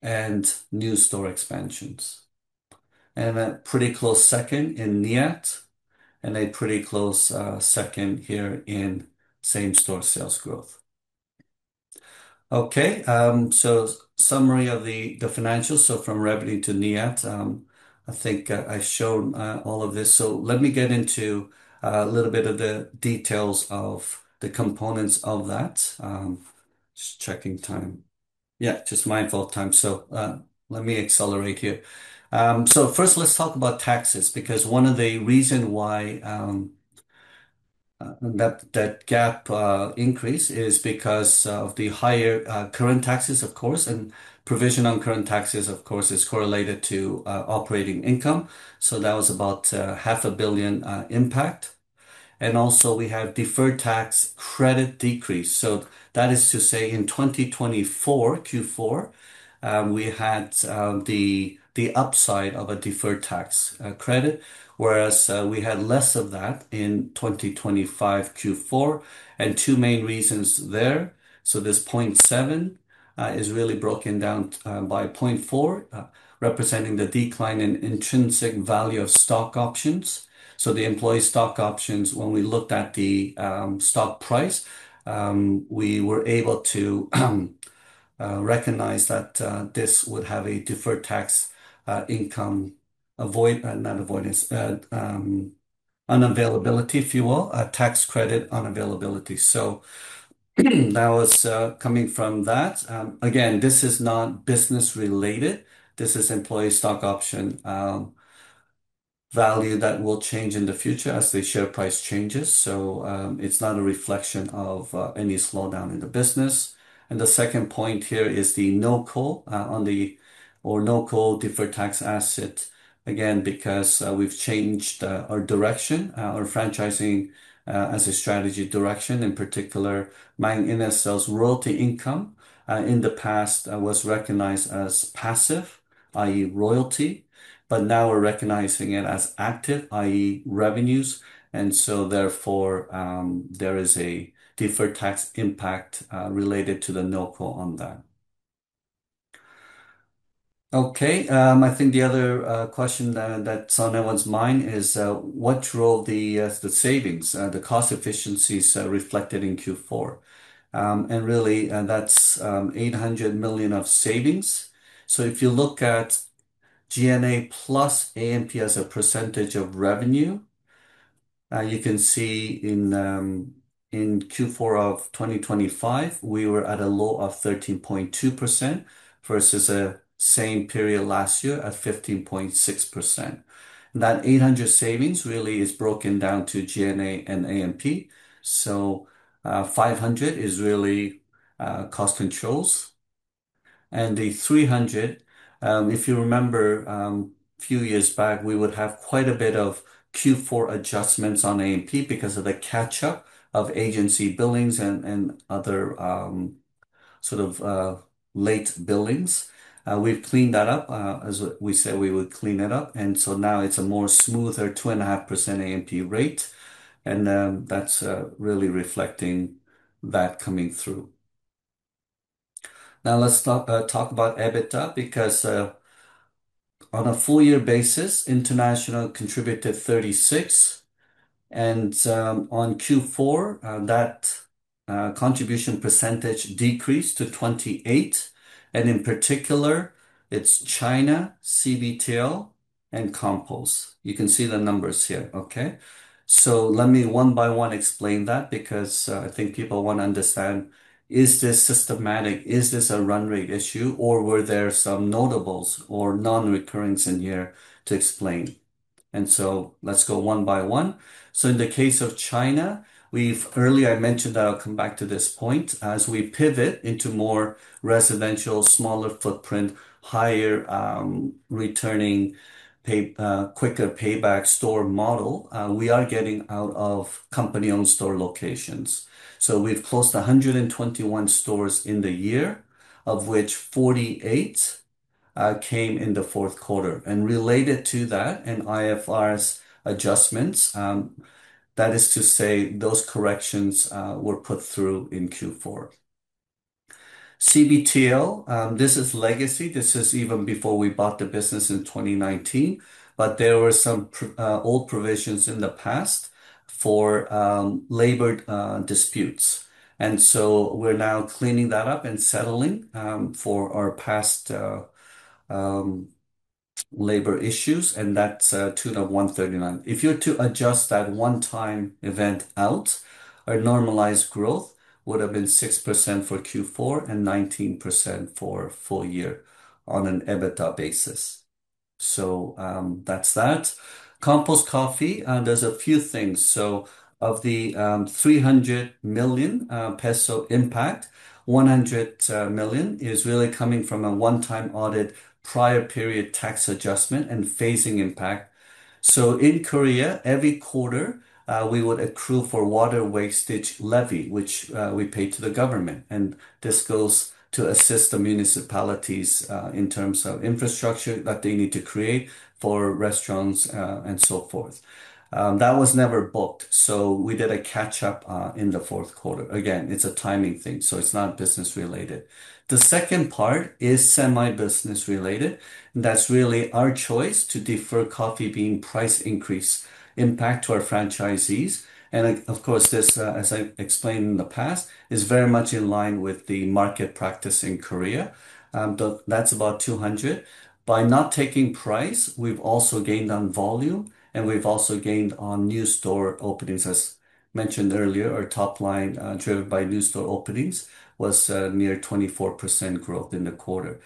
and new store expansions. A pretty close second in NIAT, and a pretty close second here in same-store sales growth. Okay. Summary of the financials, from revenue to NIAT. I think I showed all of this, let me get into a little bit of the details of the components of that. Just checking time. Yeah, just mindful of time. Let me accelerate here. First let's talk about taxes, because one of the reasons why that gap increase is because of the higher current taxes, of course, and provision for current taxes, of course, is correlated to operating income. That was about half a billion PHP impact. Also we have deferred tax credit decrease. That is to say in 2024 Q4, we had the upside of a deferred tax credit, whereas we had less of that in 2025 Q4. Two main reasons there. This 0.7 is really broken down by 0.4 representing the decline in intrinsic value of stock options. The employee stock options, when we looked at the stock price, we were able to recognize that this would have a deferred tax income unavailability, if you will, a tax credit unavailability. That was coming from that. Again, this is not business-related. This is employee stock option value that will change in the future as the share price changes. It's not a reflection of any slowdown in the business. The second point here is the no call deferred tax asset. Again, because we've changed our direction, our franchising as a strategy direction, in particular, Mang Inasal's royalty income in the past was recognized as passive, i.e. royalty, but now we're recognizing it as active, i.e. revenues. There is a deferred tax impact related to the no call on that. Okay. I think the other question that's on everyone's mind is what drove the savings, the cost efficiencies reflected in Q4? That's 800 million of savings. If you look at G&A plus A&P as a percentage of revenue, you can see in Q4 of 2025, we were at a low of 13.2% versus the same period last year at 15.6%. That 800 savings really is broken down to G&A and A&P. 500 is really cost controls. The 300, if you remember, a few years back, we would have quite a bit of Q4 adjustments on A&P because of the catch-up of agency billings and other sort of late billings. We've cleaned that up, as we said we would clean it up. Now it's a more smoother 2.5% A&P rate. That's really reflecting that coming through. Now let's talk about EBITDA because, on a full year basis, international contributed 36%, and on Q4, that contribution percentage decreased to 28%, and in particular, it's China, CBTL, and Compose Coffee. You can see the numbers here, okay? Let me one by one explain that because, I think people want to understand, is this systematic? Is this a run rate issue, or were there some notables or non-recurring in here to explain? Let's go one by one. In the case of China, earlier I mentioned that I'll come back to this point. As we pivot into more residential, smaller footprint, higher returning, quicker payback store model, we are getting out of company-owned store locations. We've closed 121 stores in the year, of which 48 came in the Q4. Related to that, in IFRS adjustments, that is to say those corrections were put through in Q4. CBTL, this is legacy. This is even before we bought the business in 2019, but there were some old provisions in the past for labor disputes. We're now cleaning that up and settling for our past labor issues, and that's to the tune of 139. If you're to adjust that one-time event out, our normalized growth would have been 6% for Q4 and 19% for full year on an EBITDA basis. That's that. Compose Coffee, there's a few things. Of the 300 million peso impact, 100 million is really coming from a one-time audit prior period tax adjustment and phasing impact. In Korea, every quarter, we would accrue for water wastage levy, which we pay to the government. This goes to assist the municipalities in terms of infrastructure that they need to create for restaurants and so forth. That was never booked, so we did a catch-up in the Q4. Again, it's a timing thing, so it's not business-related. The second part is semi-business related, and that's really our choice to defer coffee bean price increase impact to our franchisees. Of course, this, as I explained in the past, is very much in line with the market practice in Korea. That's about 200. By not taking price, we've also gained on volume, and we've also gained on new store openings. As mentioned earlier, our top line, driven by new store openings, was near 24% growth in the quarter.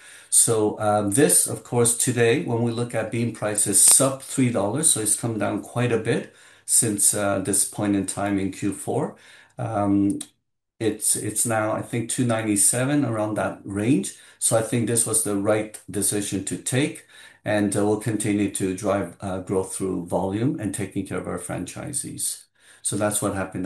This, of course, today, when we look at bean prices, sub $3, so it's come down quite a bit since this point in time in Q4. It's now, I think, $2.97, around that range. I think this was the right decision to take, and we'll continue to drive growth through volume and taking care of our franchisees. That's what happened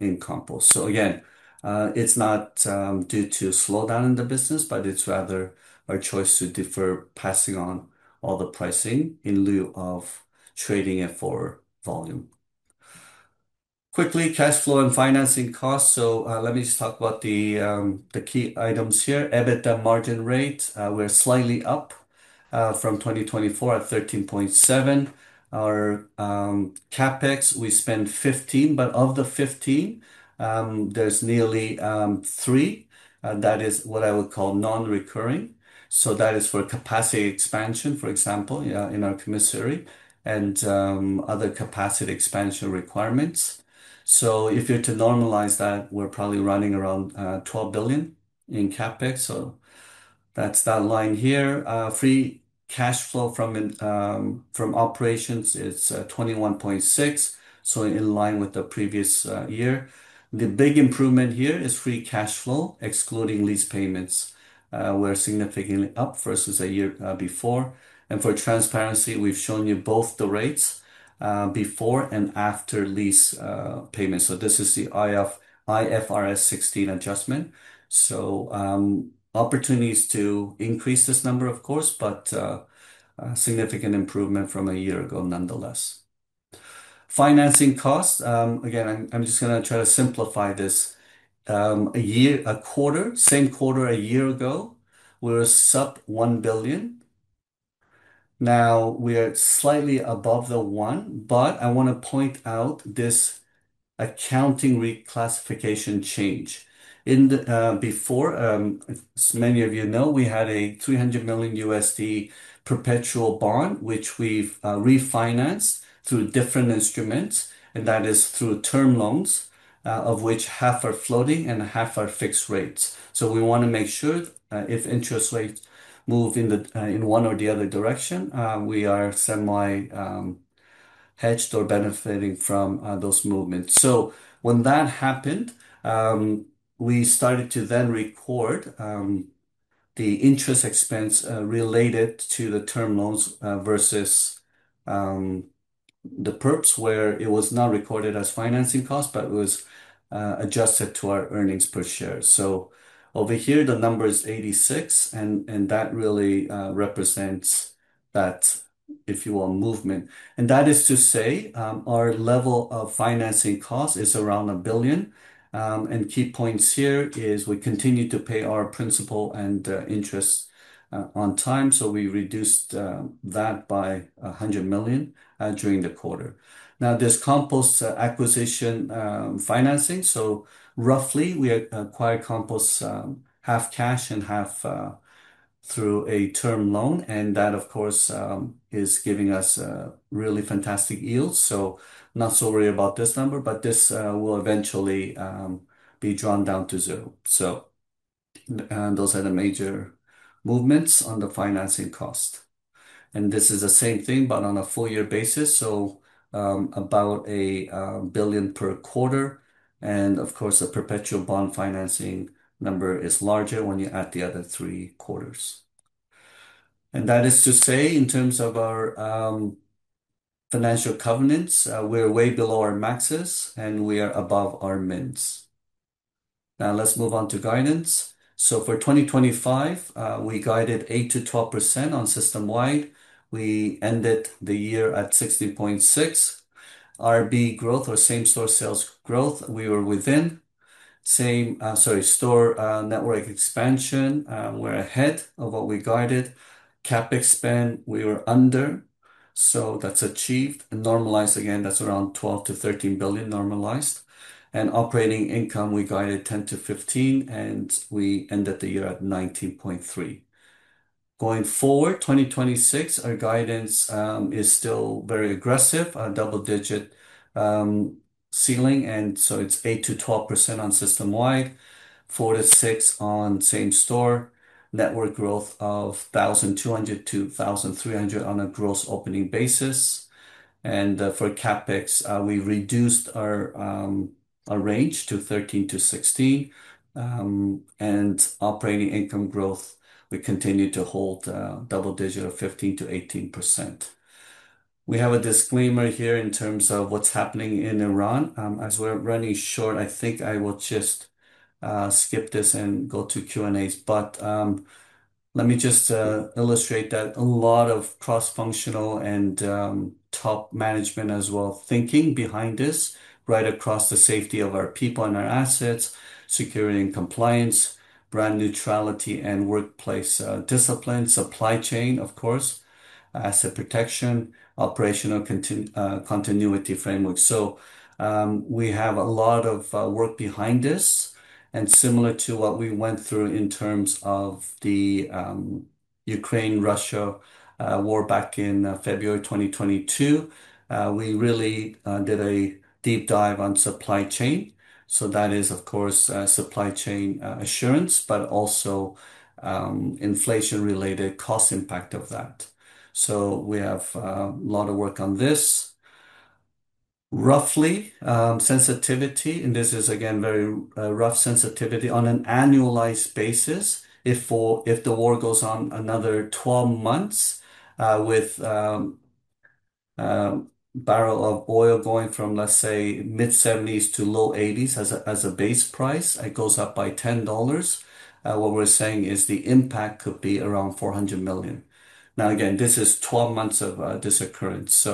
in Compose. Again, it's not due to slowdown in the business, but it's rather our choice to defer passing on all the pricing in lieu of trading it for volume. Quickly, cash flow and financing costs. Let me just talk about the key items here. EBITDA margin rate, we're slightly up from 2024 at 13.7%. Our CapEx, we spent 15, but of the 15, there's nearly 3 that is what I would call non-recurring. That is for capacity expansion, for example, in our commissary and other capacity expansion requirements. If you're to normalize that, we're probably running around 12 billion in CapEx, so that's that line here. Free cash flow from operations is 21.6, so in line with the previous year. The big improvement here is free cash flow, excluding lease payments, we're significantly up versus a year before. For transparency, we've shown you both the rates before and after lease payments. This is the IFRS 16 adjustment. Opportunities to increase this number, of course, but a significant improvement from a year ago nonetheless. Financing costs. Again, I'm just going to try to simplify this. A quarter, same quarter a year ago, we were sub 1 billion. Now we are slightly above the one, but I want to point out this accounting reclassification change. Before, as many of you know, we had a $300 million perpetual bond, which we've refinanced through different instruments, and that is through term loans, of which half are floating and half are fixed rates. We want to make sure, if interest rates move in the, in one or the other direction, we are semi, hedged or benefiting from, those movements. When that happened, we started to then record, the interest expense, related to the term loans, versus, the perps, where it was not recorded as financing cost, but it was, adjusted to our earnings per share. Over here, the number is 86, and that really represents that, if you will, movement. That is to say, our level of financing cost is around 1 billion. Key points here is we continue to pay our principal and interest on time, so we reduced that by 100 million during the quarter. Now, this Compose acquisition financing. Roughly, we acquired Compose half cash and half through a term loan, and that of course is giving us a really fantastic yield. Not so worried about this number, but this will eventually be drawn down to zero. Those are the major movements on the financing cost. This is the same thing, but on a full year basis. About 1 billion per quarter. Of course, a perpetual bond financing number is larger when you add the other three quarters. That is to say, in terms of our financial covenants, we're way below our maxes, and we are above our mins. Now let's move on to guidance. For 2025, we guided 8%-12% on system-wide. We ended the year at 16.6%. SSSG or same-store sales growth, we were within. Store network expansion, we're ahead of what we guided. CapEx spend, we were under, so that's achieved. Normalized again, that's around 12 billion-13 billion normalized. Operating income, we guided 10%-15%, and we ended the year at 19.3%. Going forward, 2026, our guidance is still very aggressive on a double-digit ceiling, it's 8%-12% on system-wide, 4%-6% on same-store. Network growth of 1,200-1,300 on a gross opening basis. For CapEx, we reduced our range to 13%-60%. Operating income growth, we continue to hold double-digit 15%-18%. We have a disclaimer here in terms of what's happening in Iran. As we're running short, I think I will just skip this and go to Q&A. Let me just illustrate that a lot of cross-functional and top management as well thinking behind this, right across the safety of our people and our assets, security and compliance, brand neutrality and workplace discipline, supply chain, of course, asset protection, operational continuity framework. We have a lot of work behind this. Similar to what we went through in terms of the Ukraine-Russia war back in February 2022, we really did a deep dive on supply chain. That is, of course, supply chain assurance, but also inflation-related cost impact of that. We have a lot of work on this. Roughly, sensitivity, and this is again very rough sensitivity on an annualized basis. If the war goes on another 12 months, with a barrel of oil going from, let's say, mid-70s to low 80s as a base price, it goes up by $10, what we're saying is the impact could be around $400 million. Now again, this is 12 months of this occurrence.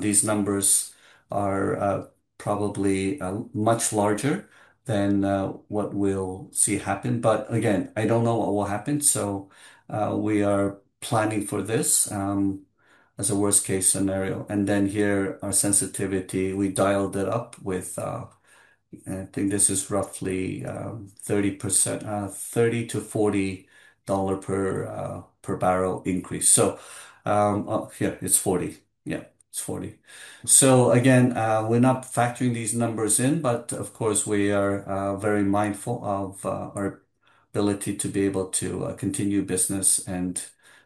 These numbers are probably much larger than what we'll see happen. Again, I don't know what will happen, so we are planning for this as a worst-case scenario. Then here, our sensitivity, we dialed it up with I think this is roughly 30%, $30-$40 dollars per barrel increase. It's $40. Again, we're not factoring these numbers in, but of course we are very mindful of our ability to be able to continue business and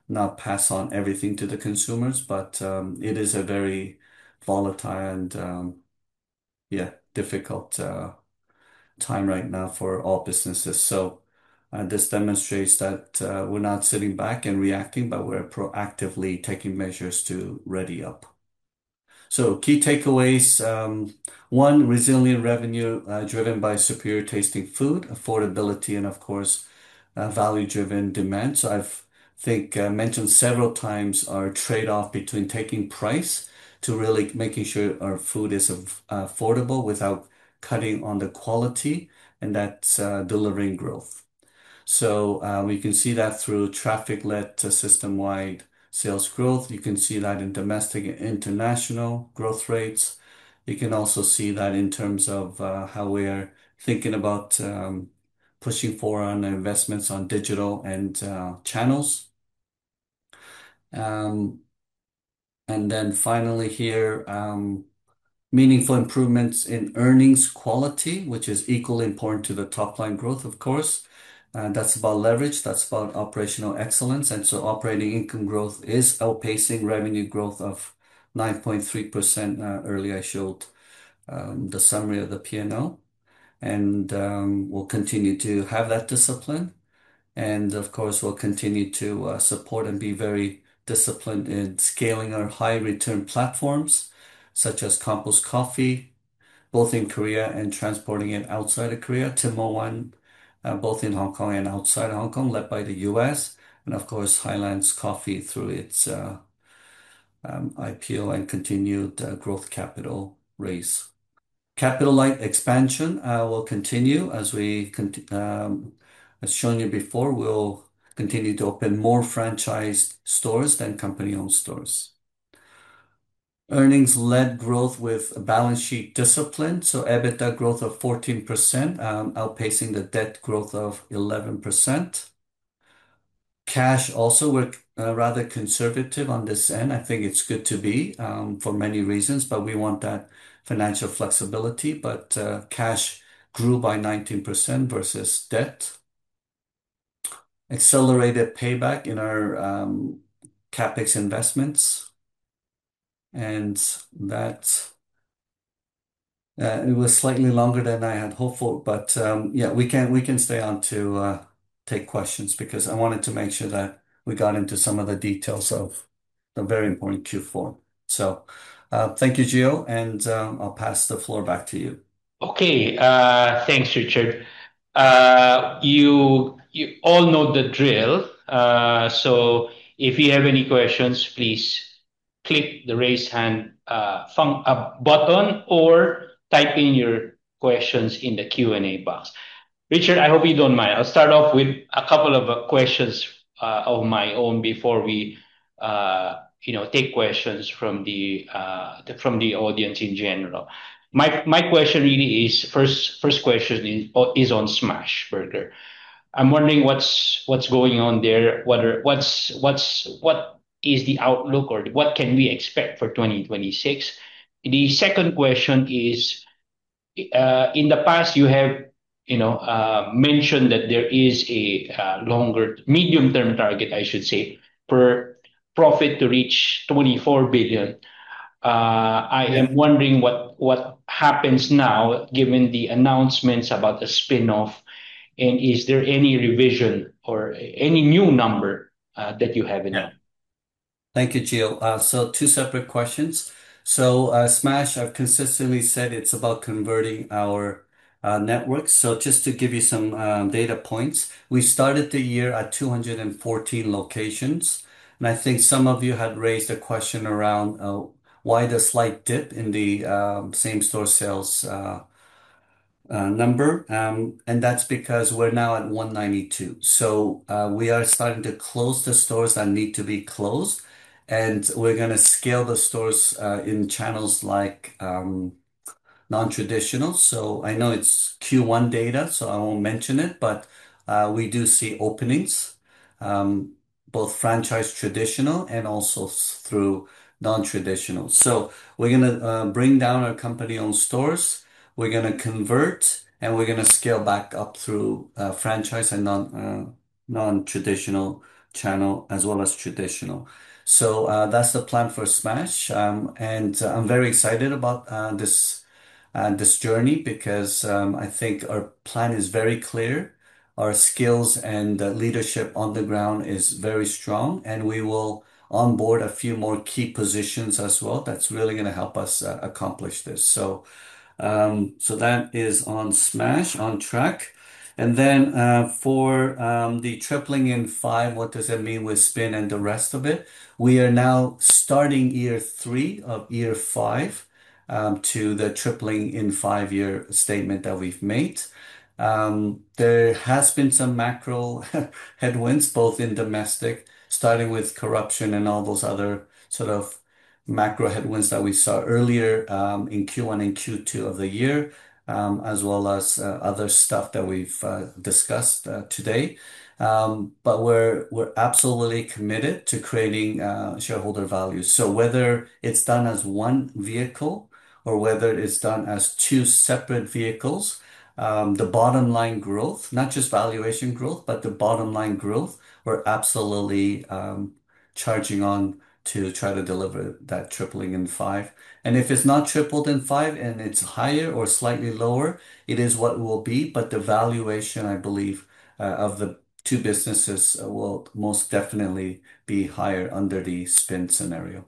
not pass on everything to the consumers. It is a very volatile and yeah, difficult time right now for all businesses. This demonstrates that we're not sitting back and reacting, but we're proactively taking measures to ready up. Key takeaways, one, resilient revenue driven by superior-tasting food, affordability and, of course, value-driven demand. I've, I think I mentioned several times our trade-off between taking price to really making sure our food is affordable without cutting on the quality, and that's delivering growth. We can see that through traffic-led system-wide sales growth. You can see that in domestic and international growth rates. You can also see that in terms of how we are thinking about pushing forward on investments on digital and channels. And then finally here, meaningful improvements in earnings quality, which is equally important to the top line growth, of course. That's about leverage, that's about operational excellence. Operating income growth is outpacing revenue growth of 9.3%. Earlier I showed the summary of the P&L. We'll continue to have that discipline. Of course, we'll continue to support and be very disciplined in scaling our high-return platforms, such as Compose Coffee, both in Korea and transporting it outside of Korea. Tim Ho Wan, both in Hong Kong and outside Hong Kong, led by the US. Of course, Highlands Coffee through its IPO and continued growth capital raise. Capital light expansion will continue, as shown you before. We'll continue to open more franchised stores than company-owned stores. Earnings-led growth with a balance sheet discipline, EBITDA growth of 14%, outpacing the debt growth of 11%. Cash also were rather conservative on this end. I think it's good to be for many reasons, but we want that financial flexibility. Cash grew by 19% versus debt. Accelerated payback in our CapEx investments. That it was slightly longer than I had hoped for. We can stay on to take questions because I wanted to make sure that we got into some of the details of the very important Q4. Thank you, Gio, and I'll pass the floor back to you. Okay. Thanks, Richard. You all know the drill. If you have any questions, please click the Raise Hand button or type in your questions in the Q&A box. Richard, I hope you don't mind. I'll start off with a couple of questions of my own before we, you know, take questions from the audience in general. My question really is. First question is on Smashburger. I'm wondering what's going on there? What is the outlook or what can we expect for 2026? The second question is, in the past you have, you know, mentioned that there is a medium-term target, I should say, for profit to reach 24 billion. I am wondering what happens now given the announcements about the spin-off, and is there any revision or any new number that you have in mind? Thank you, Gio. Two separate questions. Smashburger, I've consistently said it's about converting our networks. Just to give you some data points, we started the year at 214 locations, and I think some of you had raised a question around why the slight dip in the same-store sales number. That's because we're now at 192. We are starting to close the stores that need to be closed, and we're going to scale the stores in channels like non-traditional. I know it's Q1 data, so I won't mention it, but we do see openings both franchise traditional and also through non-traditional. We're going to bring down our company-owned stores. We're going to convert, and we're going to scale back up through franchise and non-traditional channel as well as traditional. That's the plan for Smash. I'm very excited about this journey because I think our plan is very clear. Our skills and leadership on the ground is very strong, and we will onboard a few more key positions as well. That's really going to help us accomplish this. So that is on Smash, on track. For the tripling in five, what does it mean with spin and the rest of it? We are now starting year three of year five to the tripling in five-year statement that we've made. There has been some macro headwinds, both in domestic, starting with corruption and all those other sort of macro headwinds that we saw earlier, in Q1 and Q2 of the year, as well as other stuff that we've discussed today. We're absolutely committed to creating shareholder value. Whether it's done as one vehicle or whether it's done as two separate vehicles, the bottom line growth, not just valuation growth, but the bottom line growth, we're absolutely charging on to try to deliver that tripling in five. If it's not tripled in five and it's higher or slightly lower, it is what it will be. The valuation, I believe, of the two businesses will most definitely be higher under the spin scenario.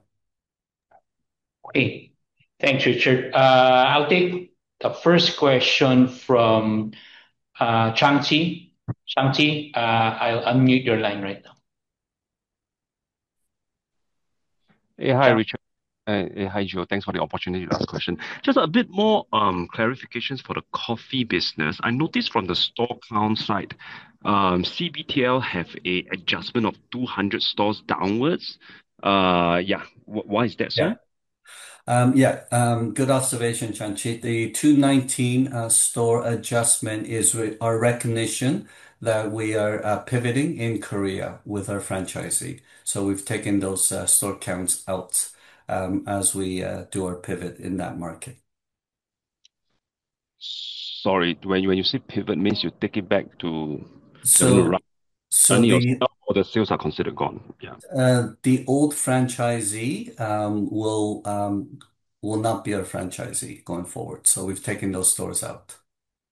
Great. Thanks, Richard. I'll take the first question from Chanti. Chanti, I'll unmute your line right now. Hey. Hi, Richard. Hey. Hi, Gio. Thanks for the opportunity to ask question. Just a bit more clarifications for the coffee business. I noticed from the store count side, CBTL have a adjustment of 200 stores downwards. Yeah, why is that, sir? Good observation, Chanti. The 219 store adjustment is our recognition that we are pivoting in Korea with our franchisee. We've taken those store counts out as we do our pivot in that market. Sorry. When you say pivot, means you take it back to. So. Any of the stores or the sales are considered gone? Yeah. The old franchisee will not be our franchisee going forward, so we've taken those stores out.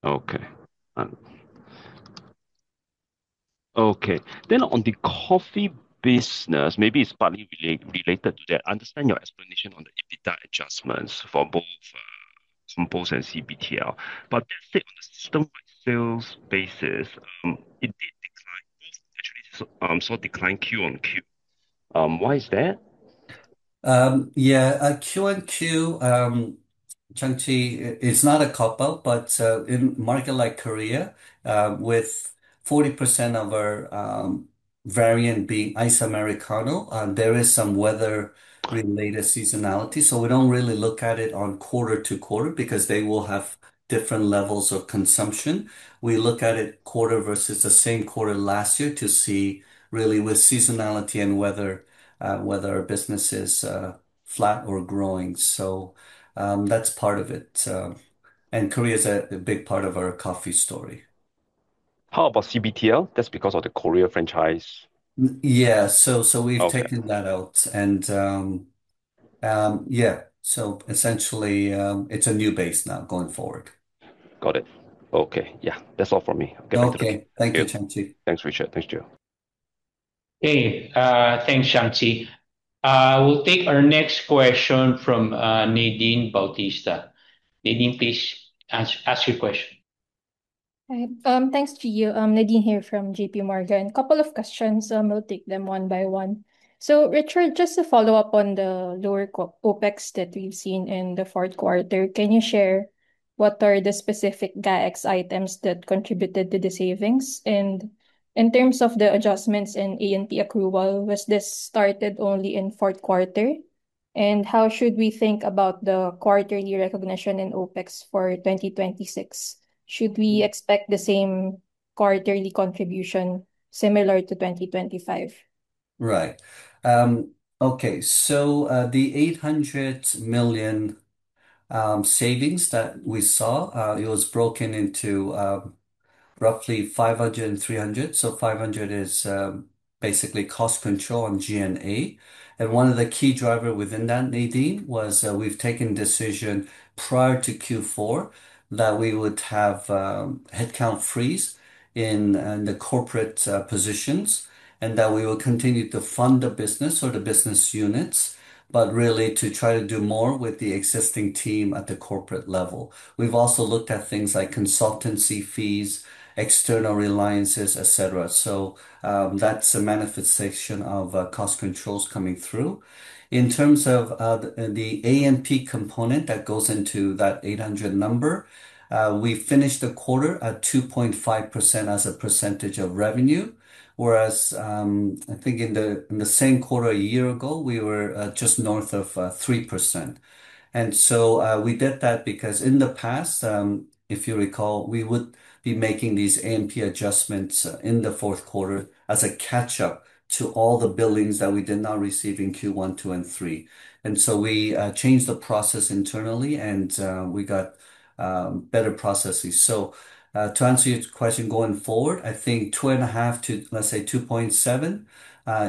Okay. On the coffee business, maybe it's partly related to that. I understand your explanation on the EBITDA adjustments for both, from both and CBTL. Say, on a system-wide sales basis, it did decline both actually, saw a decline Q-on-Q. Why is that? Yeah. Q-on-Q, Chanti, is not comparable, but in market like Korea, with 40% of our variant being Iced Americano, there is some weather-related seasonality. We don't really look at it on quarter-on-quarter because they will have different levels of consumption. We look at it quarter versus the same quarter last year to see really with seasonality and weather whether our business is flat or growing. That's part of it. Korea is a big part of our coffee story. How about CBTL? That's because of the Korea franchise? Yeah. We've. Okay. Taken that out and, yeah. Essentially, it's a new base now going forward. Got it. Okay. Yeah. That's all from me. Okay. Thank you, Chanti. Thanks, Richard. Thanks, Gio. Okay. Thanks, Chanti. We'll take our next question from Nadine Bautista. Nadine, please ask your question. Hi. Thanks, Gio. I'm Nadine here from JP Morgan. Couple of questions. We'll take them one by one. Richard, just to follow up on the lower core OPEX that we've seen in the Q4, can you share what are the specific G&A items that contributed to the savings? And in terms of the adjustments in A&P accrual, was this started only in Q4? And how should we think about the quarterly recognition in OPEX for 2026? Should we expect the same quarterly contribution similar to 2025? Right. Okay. The 800 million savings that we saw, it was broken into, roughly 500 and 300. 500 is basically cost control on G&A. One of the key driver within that, Nadine, was that we've taken decision prior to Q4 that we would have headcount freeze in the corporate positions, and that we will continue to fund the business or the business units, but really to try to do more with the existing team at the corporate level. We've also looked at things like consultancy fees, external reliances, et cetera. That's a manifestation of cost controls coming through. In terms of the A&P component that goes into that 800 number, we finished the quarter at 2.5% as a percentage of revenue, whereas I think in the same quarter a year ago, we were just north of 3%. We did that because in the past, if you recall, we would be making these A&P adjustments in the Q4 as a catch-up to all the billings that we did not receive in Q1, 2Q, and Q3. We changed the process internally, and we got better processes. To answer your question going forward, I think 2.5%-2.7%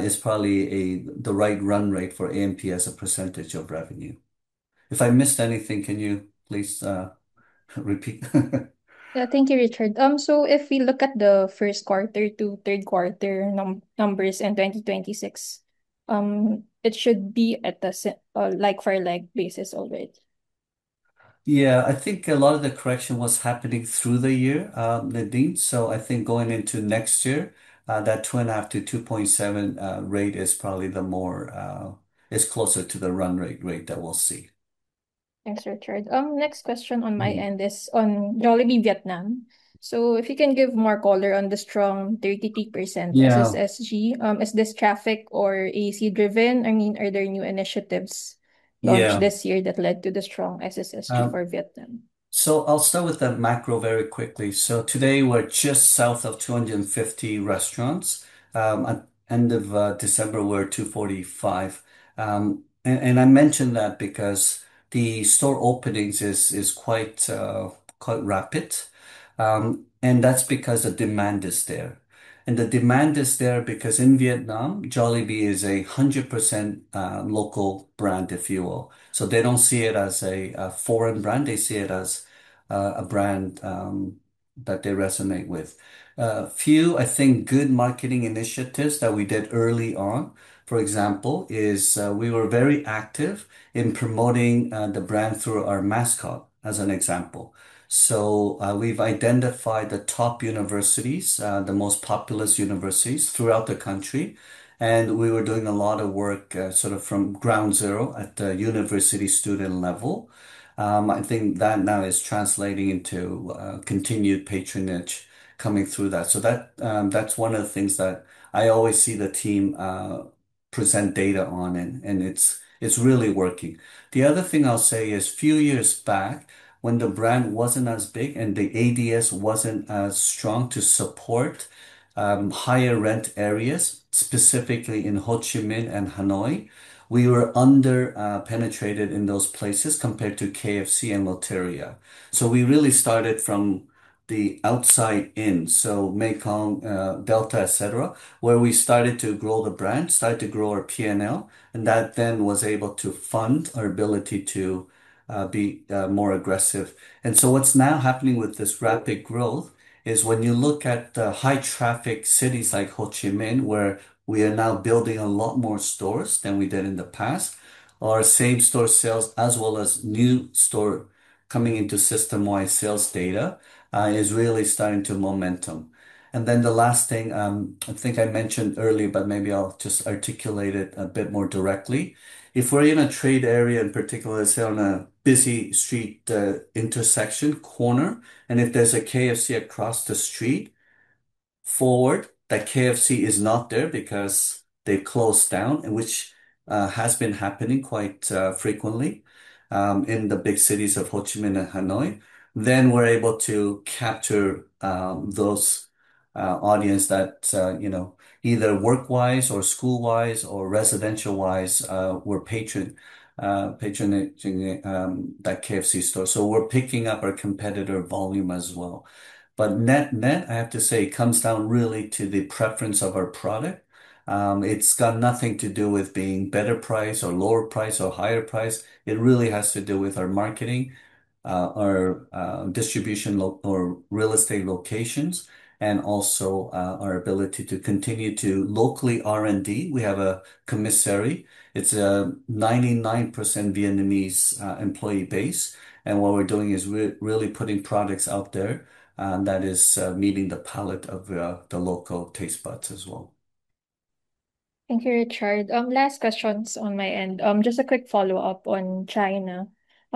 is probably the right run rate for A&P as a percentage of revenue. If I missed anything, can you please, repeat? Yeah. Thank you, Richard. If we look at the first quarter to third quarter numbers in 2026, it should be at the same like-for-like basis already? Yeah. I think a lot of the correction was happening through the year, Nadine. I think going into next year, that 2.5%-2.7% rate is probably closer to the run rate that we'll see. Thanks, Richard. Next question on my end is on Jollibee Vietnam. If you can give more color on the strong 33%. Yeah. SSSG. Is this traffic or AC driven? I mean, are there new initiatives. Yeah. launched this year that led to the strong SSSG for Vietnam? I'll start with the macro very quickly. Today we're just south of 250 restaurants. At end of December we're 245. I mention that because the store openings is quite rapid. That's because the demand is there, and the demand is there because in Vietnam, Jollibee is 100% local brand, if you will. They don't see it as a foreign brand. They see it as a brand that they resonate with. A few, I think, good marketing initiatives that we did early on, for example, we were very active in promoting the brand through our mascot, as an example. We've identified the top universities, the most populous universities throughout the country, and we were doing a lot of work, sort of from ground zero at the university student level. I think that now is translating into continued patronage coming through that. That's one of the things that I always see the team present data on, and it's really working. The other thing I'll say is few years back when the brand wasn't as big and the ADS wasn't as strong to support higher rent areas, specifically in Ho Chi Minh and Hanoi, we were underpenetrated in those places compared to KFC and Lotteria. We really started from the outside in, so Mekong Delta, et cetera, where we started to grow the brand, started to grow our P&L, and that then was able to fund our ability to be more aggressive. What's now happening with this rapid growth is when you look at the high traffic cities like Ho Chi Minh, where we are now building a lot more stores than we did in the past, our same store sales as well as new store coming into system-wide sales data is really starting to gain momentum. The last thing I think I mentioned earlier, but maybe I'll just articulate it a bit more directly. If we're in a trade area, in particular, say on a busy street, intersection corner, and if there's a KFC across the street, for whatever that KFC is not there because they closed down and which has been happening quite frequently in the big cities of Ho Chi Minh and Hanoi. Then we're able to capture those audience that you know either work-wise or school-wise or residential-wise were patronizing that KFC store. We're picking up our competitor volume as well. Net, I have to say, comes down really to the preference of our product. It's got nothing to do with being better price or lower price or higher price. It really has to do with our marketing, our distribution or real estate locations, and also our ability to continue to locally R&D. We have a commissary. It's a 99% Vietnamese employee base, and what we're doing is really putting products out there that is meeting the palate of the local taste buds as well. Thank you, Richard. Last questions on my end. Just a quick follow-up on China.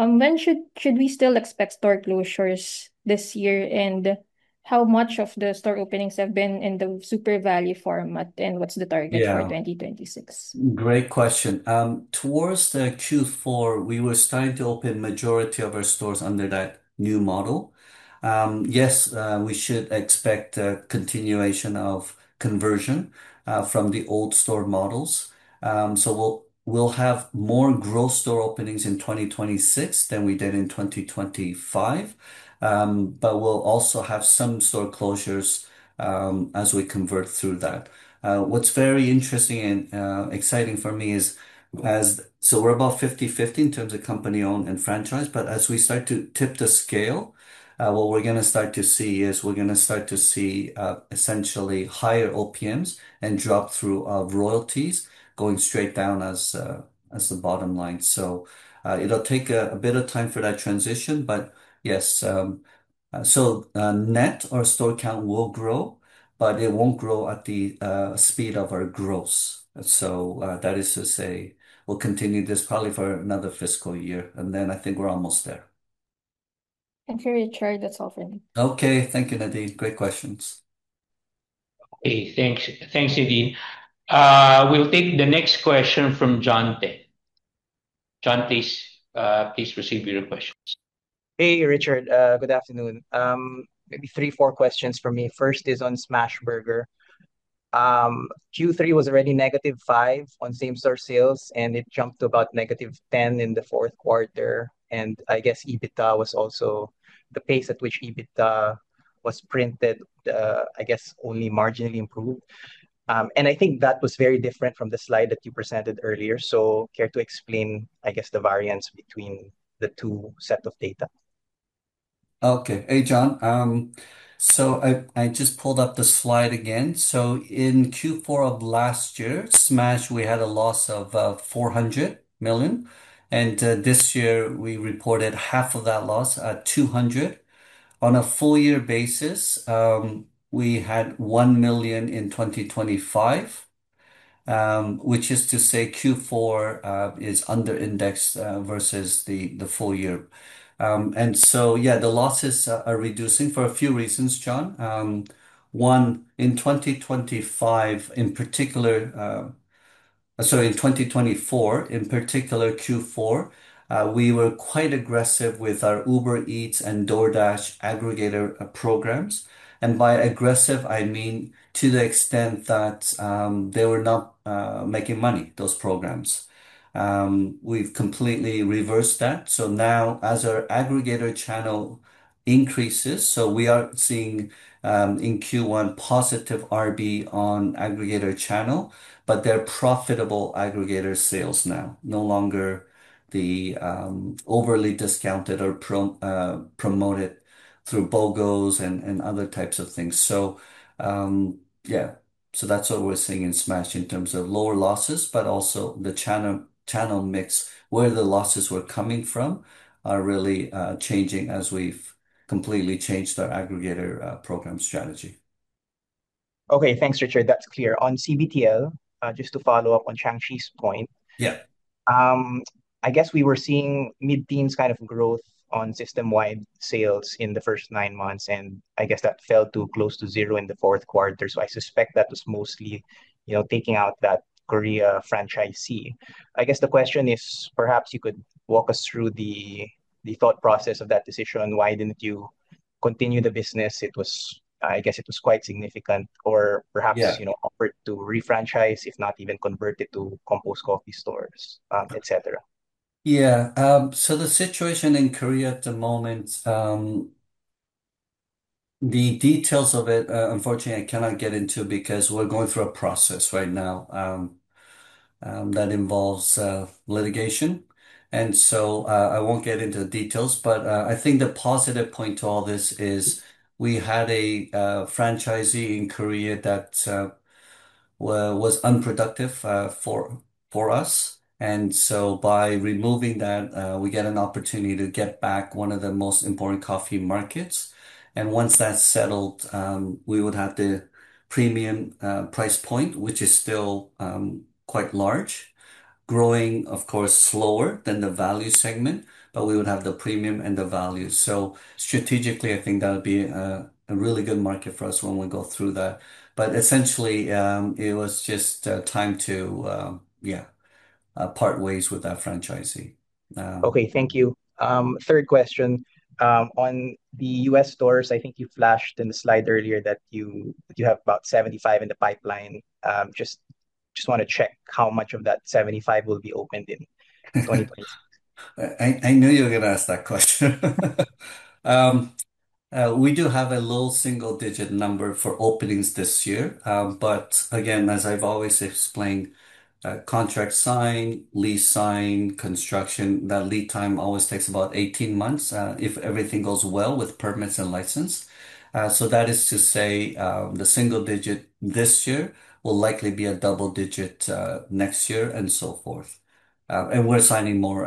When should we still expect store closures this year, and how much of the store openings have been in the Super Value format, and what's the target for 2026? Yeah. Great question. Towards the Q4, we were starting to open majority of our stores under that new model. Yes, we should expect a continuation of conversion from the old store models. We'll have more growth store openings in 2026 than we did in 2025. We'll also have some store closures as we convert through that. What's very interesting and exciting for me is we're about 50-50 in terms of company-owned and franchise, but as we start to tip the scale, what we're going to start to see is essentially higher OPMs and drop through of royalties going straight down as the bottom line. It'll take a bit of time for that transition, but yes. Net our store count will grow, but it won't grow at the speed of our gross. That is to say we'll continue this probably for another fiscal year, and then I think we're almost there. Thank you, Richard. That's all for me. Okay. Thank you, Nadine. Great questions. Okay. Thanks. Thanks, Nadine. We'll take the next question from John Te. John, please proceed with your questions. Hey, Richard. Good afternoon. Maybe three, four questions from me. First is on Smashburger. Q3 was already -5% on same store sales, and it jumped to about -10% in the Q4, and I guess EBITDA was also the pace at which EBITDA was printed. I guess only marginally improved. And I think that was very different from the slide that you presented earlier. Care to explain, I guess, the variance between the two set of data? Okay. Hey, John. I just pulled up the slide again. In Q4 of last year, Smashburger, we had a loss of 400 million, and this year we reported half of that loss at 200 million. On a full year basis, we had 1 million in 2025, which is to say Q4 is under-indexed versus the full year. Yeah, the losses are reducing for a few reasons, John. One, in 2025, in particular. Sorry, in 2024, in particular Q4, we were quite aggressive with our Uber Eats and DoorDash aggregator programs. By aggressive, I mean to the extent that they were not making money, those programs. We've completely reversed that. Now as our aggregator channel increases, we are seeing in Q1 positive RB on aggregator channel, but they're profitable aggregator sales now. No longer overly discounted or promoted through BOGOs and other types of things. That's what we're seeing in Smash in terms of lower losses, but also the channel mix, where the losses were coming from are really changing as we've completely changed our aggregator program strategy. Okay. Thanks, Richard. That's clear. On CBTL, just to follow up on Chanti's point. Yeah. I guess we were seeing mid-teens kind of growth on system-wide sales in the first nine months, and I guess that fell to close to zero in the Q4. I suspect that was mostly, you know, taking out that Korea franchisee. I guess the question is perhaps you could walk us through the thought process of that decision. Why didn't you continue the business? It was quite significant or perhaps. Yeah. You know, offered to refranchise, if not even convert it to Compose Coffee stores, et cetera. Yeah. The situation in Korea at the moment, the details of it, unfortunately I cannot get into because we're going through a process right now that involves litigation. I won't get into the details, but I think the positive point to all this is we had a franchisee in Korea that was unproductive for us. By removing that, we get an opportunity to get back one of the most important coffee markets. Once that's settled, we would have the premium price point, which is still quite large. Growing, of course, slower than the value segment, but we would have the premium and the value. Strategically, I think that would be a really good market for us when we go through that. Essentially, it was just time to yeah part ways with that franchisee. Okay, thank you. Third question. On the US stores, I think you flashed in the slide earlier that you have about 75 in the pipeline. Just want to check how much of that 75 will be opened in 2025. I knew you were going to ask that question. We do have a low single digit number for openings this year. Again, as I've always explained, contract signed, lease signed, construction, the lead time always takes about 18 months, if everything goes well with permits and license. That is to say, the single digit this year will likely be a double digit, next year, and so forth. We're signing more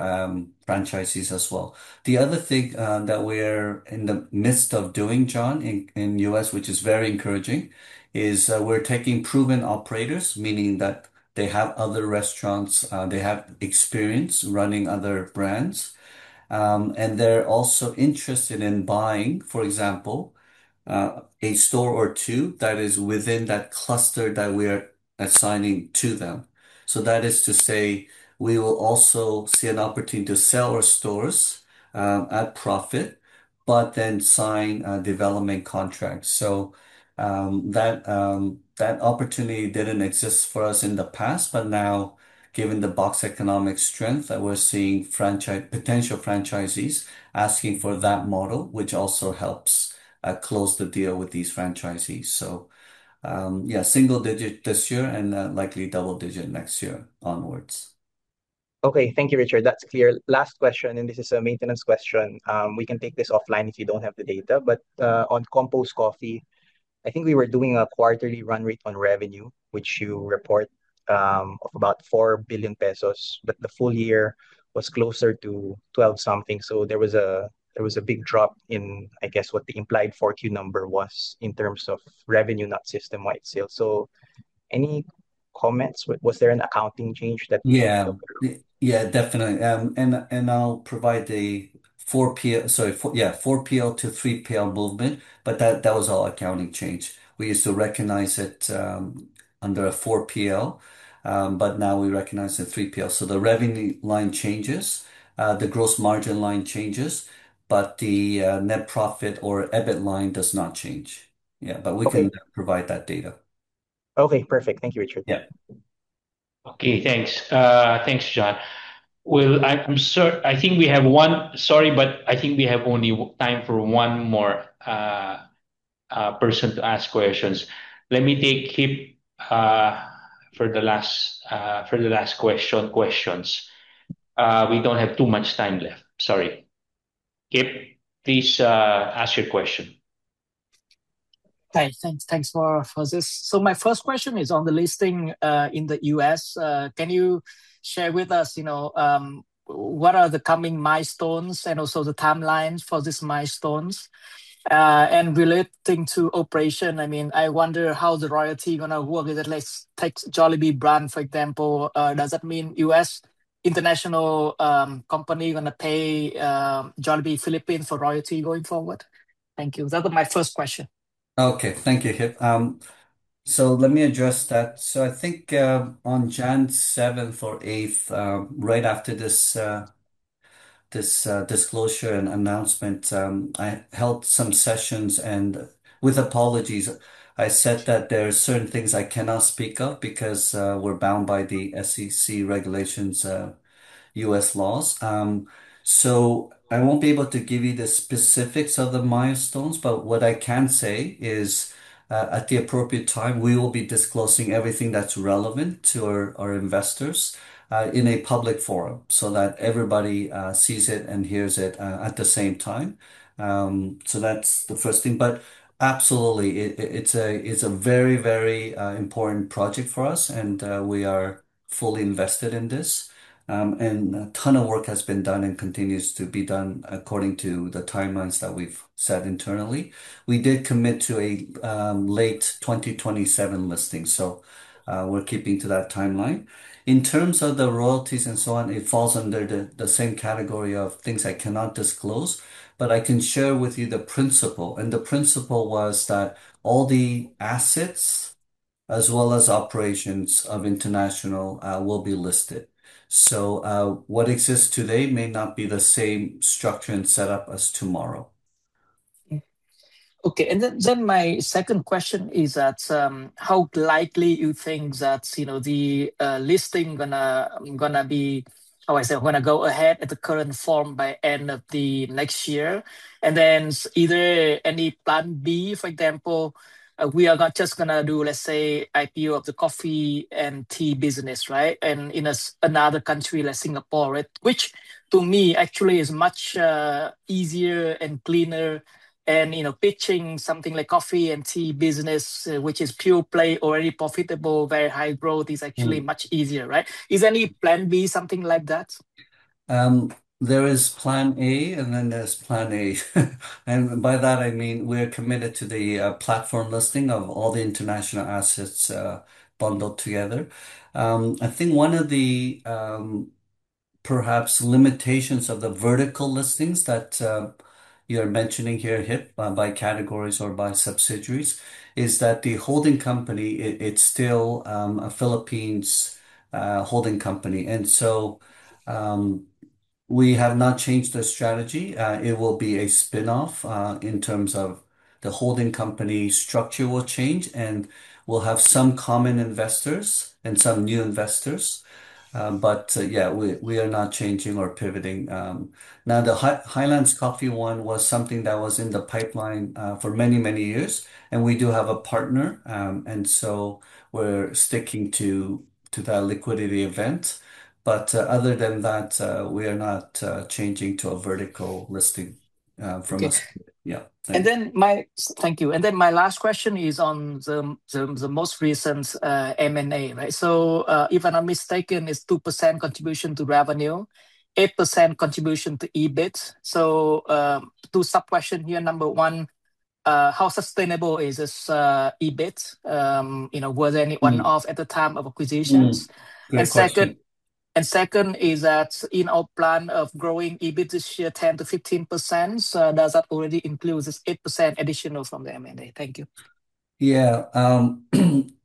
franchisees as well. The other thing that we're in the midst of doing, John, in the US, which is very encouraging, is we're taking proven operators, meaning that they have other restaurants, they have experience running other brands. They're also interested in buying, for example, a store or two that is within that cluster that we're assigning to them. That is to say we will also see an opportunity to sell our stores at profit, but then sign development contracts. That opportunity didn't exist for us in the past, but now given the robust economic strength that we're seeing from potential franchisees asking for that model, which also helps close the deal with these franchisees. Yeah, single-digit this year and likely double-digit next year onwards. Okay. Thank you, Richard. That's clear. Last question, this is a maintenance question. We can take this offline if you don't have the data. On Compose Coffee, I think we were doing a quarterly run rate on revenue, which you report, of about 4 billion pesos, but the full year was closer to 12 something. There was a big drop in, I guess, what the implied 4Q number was in terms of revenue, not system-wide sales. Any comments? Was there an accounting change that. Yeah. You can elaborate? Yeah, definitely. And I'll provide a 4PL to 3PL movement, but that was all accounting change. We used to recognize it under a 4PL, but now we recognize a 3PL. The revenue line changes, the gross margin line changes, but the net profit or EBIT line does not change. Yeah. Okay. We can provide that data. Okay, perfect. Thank you, Richard. Yeah. Okay, thanks. Thanks, John. Well, sorry, but I think we have only time for one more person to ask questions. Let me take Kip for the last question. We don't have too much time left. Sorry. Kip, please, ask your question. Hi. Thanks for this. My first question is on the listing in the US, can you share with us, you know, what are the coming milestones and also the timelines for these milestones? Relating to operation, I mean, I wonder how the royalty going to work with, at least, take Jollibee brand, for example. Does that mean US international company going to pay Jollibee Philippines for royalty going forward? Thank you. Those are my first question. Okay. Thank you, Kip. Let me address that. I think on January seventh or eighth, right after this disclosure and announcement, I held some sessions, and with apologies, I said that there are certain things I cannot speak of because we're bound by the SEC regulations, US laws. I won't be able to give you the specifics of the milestones, but what I can say is at the appropriate time, we will be disclosing everything that's relevant to our investors in a public forum so that everybody sees it and hears it at the same time. That's the first thing. Absolutely, it's a very important project for us and we are fully invested in this. A ton of work has been done and continues to be done according to the timelines that we've set internally. We did commit to a late 2027 listing, we're keeping to that timeline. In terms of the royalties and so on, it falls under the same category of things I cannot disclose, but I can share with you the principle. The principle was that all the assets as well as operations of international will be listed. What exists today may not be the same structure and setup as tomorrow. Okay. My second question is that, how likely you think that, you know, the listing going to go ahead at the current form by end of the next year? Is there any plan B, for example, we are not just going to do, let's say, IPO of the coffee and tea business, right? In another country like Singapore. Right? Which to me, actually is much easier and cleaner and, you know, pitching something like coffee and tea business, which is pure play, already profitable, very high growth, is actually much easier, right? Is there any plan B, something like that? There is plan A, and then there's plan A. By that I mean, we're committed to the platform listing of all the international assets bundled together. I think one of the perhaps limitations of the vertical listings that you're mentioning here, Kip, by categories or by subsidiaries, is that the holding company, it's still a Philippine holding company. We have not changed the strategy. It will be a spinoff in terms of the holding company structure will change, and we'll have some common investors and some new investors. Yeah, we are not changing or pivoting. Now the Highlands Coffee one was something that was in the pipeline for many, many years, and we do have a partner. We're sticking to that liquidity event. Other than that, we are not changing to a vertical listing from this. Okay. Yeah. Thank you. My last question is on the most recent M&A, right? If I'm not mistaken, it's 2% contribution to revenue, 8% contribution to EBIT. Two sub questions here. Number one, how sustainable is this EBIT? You know, was there any one-off at the time of acquisitions? Good question. Second is that in our plan of growing EBIT this year 10%-15%, does that already include this 8% additional from the M&A? Thank you. Yeah.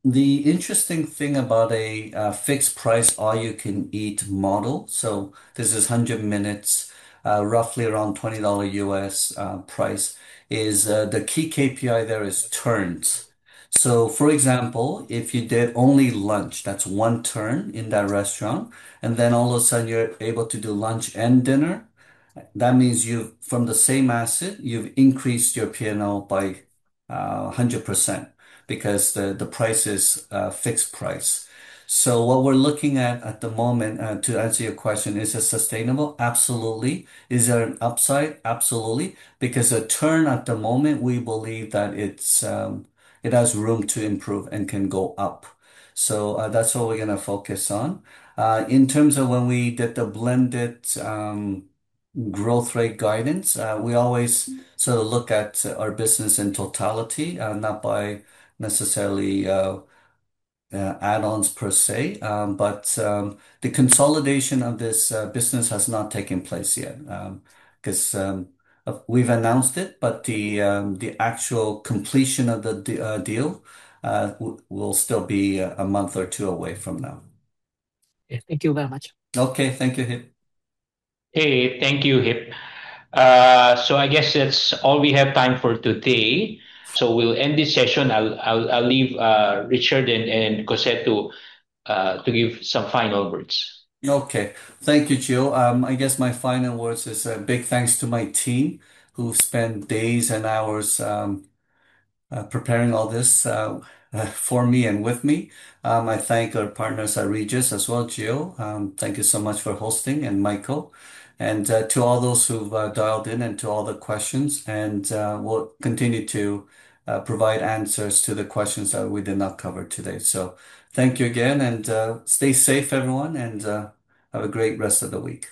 The interesting thing about a fixed price all you can eat model, so this is 100 minutes, roughly around $20 price, is the key KPI there is turns. For example, if you did only lunch, that's one turn in that restaurant, and then all of a sudden you're able to do lunch and dinner, that means you, from the same asset, you've increased your P&L by 100% because the price is a fixed price. What we're looking at the moment, to answer your question, is it sustainable? Absolutely. Is there an upside? Absolutely. Because a turn at the moment, we believe that it has room to improve and can go up. That's what we're going to focus on. In terms of when we did the blended growth rate guidance, we always sort of look at our business in totality, not by necessarily add-ons per se. The consolidation of this business has not taken place yet, because we've announced it, but the actual completion of the deal will still be a month or two away from now. Yeah. Thank you very much. Okay. Thank you, Kip. Okay. Thank you, Kip. I guess that's all we have time for today. We'll end this session. I'll leave Richard and Cosette to give some final words. Okay. Thank you, Gio. I guess my final words is a big thanks to my team who spent days and hours preparing all this for me and with me. I thank our partners at Regis as well. Gio, thank you so much for hosting, and Michael. To all those who've dialed in and to all the questions. We'll continue to provide answers to the questions that we did not cover today. Thank you again, and stay safe, everyone, and have a great rest of the week.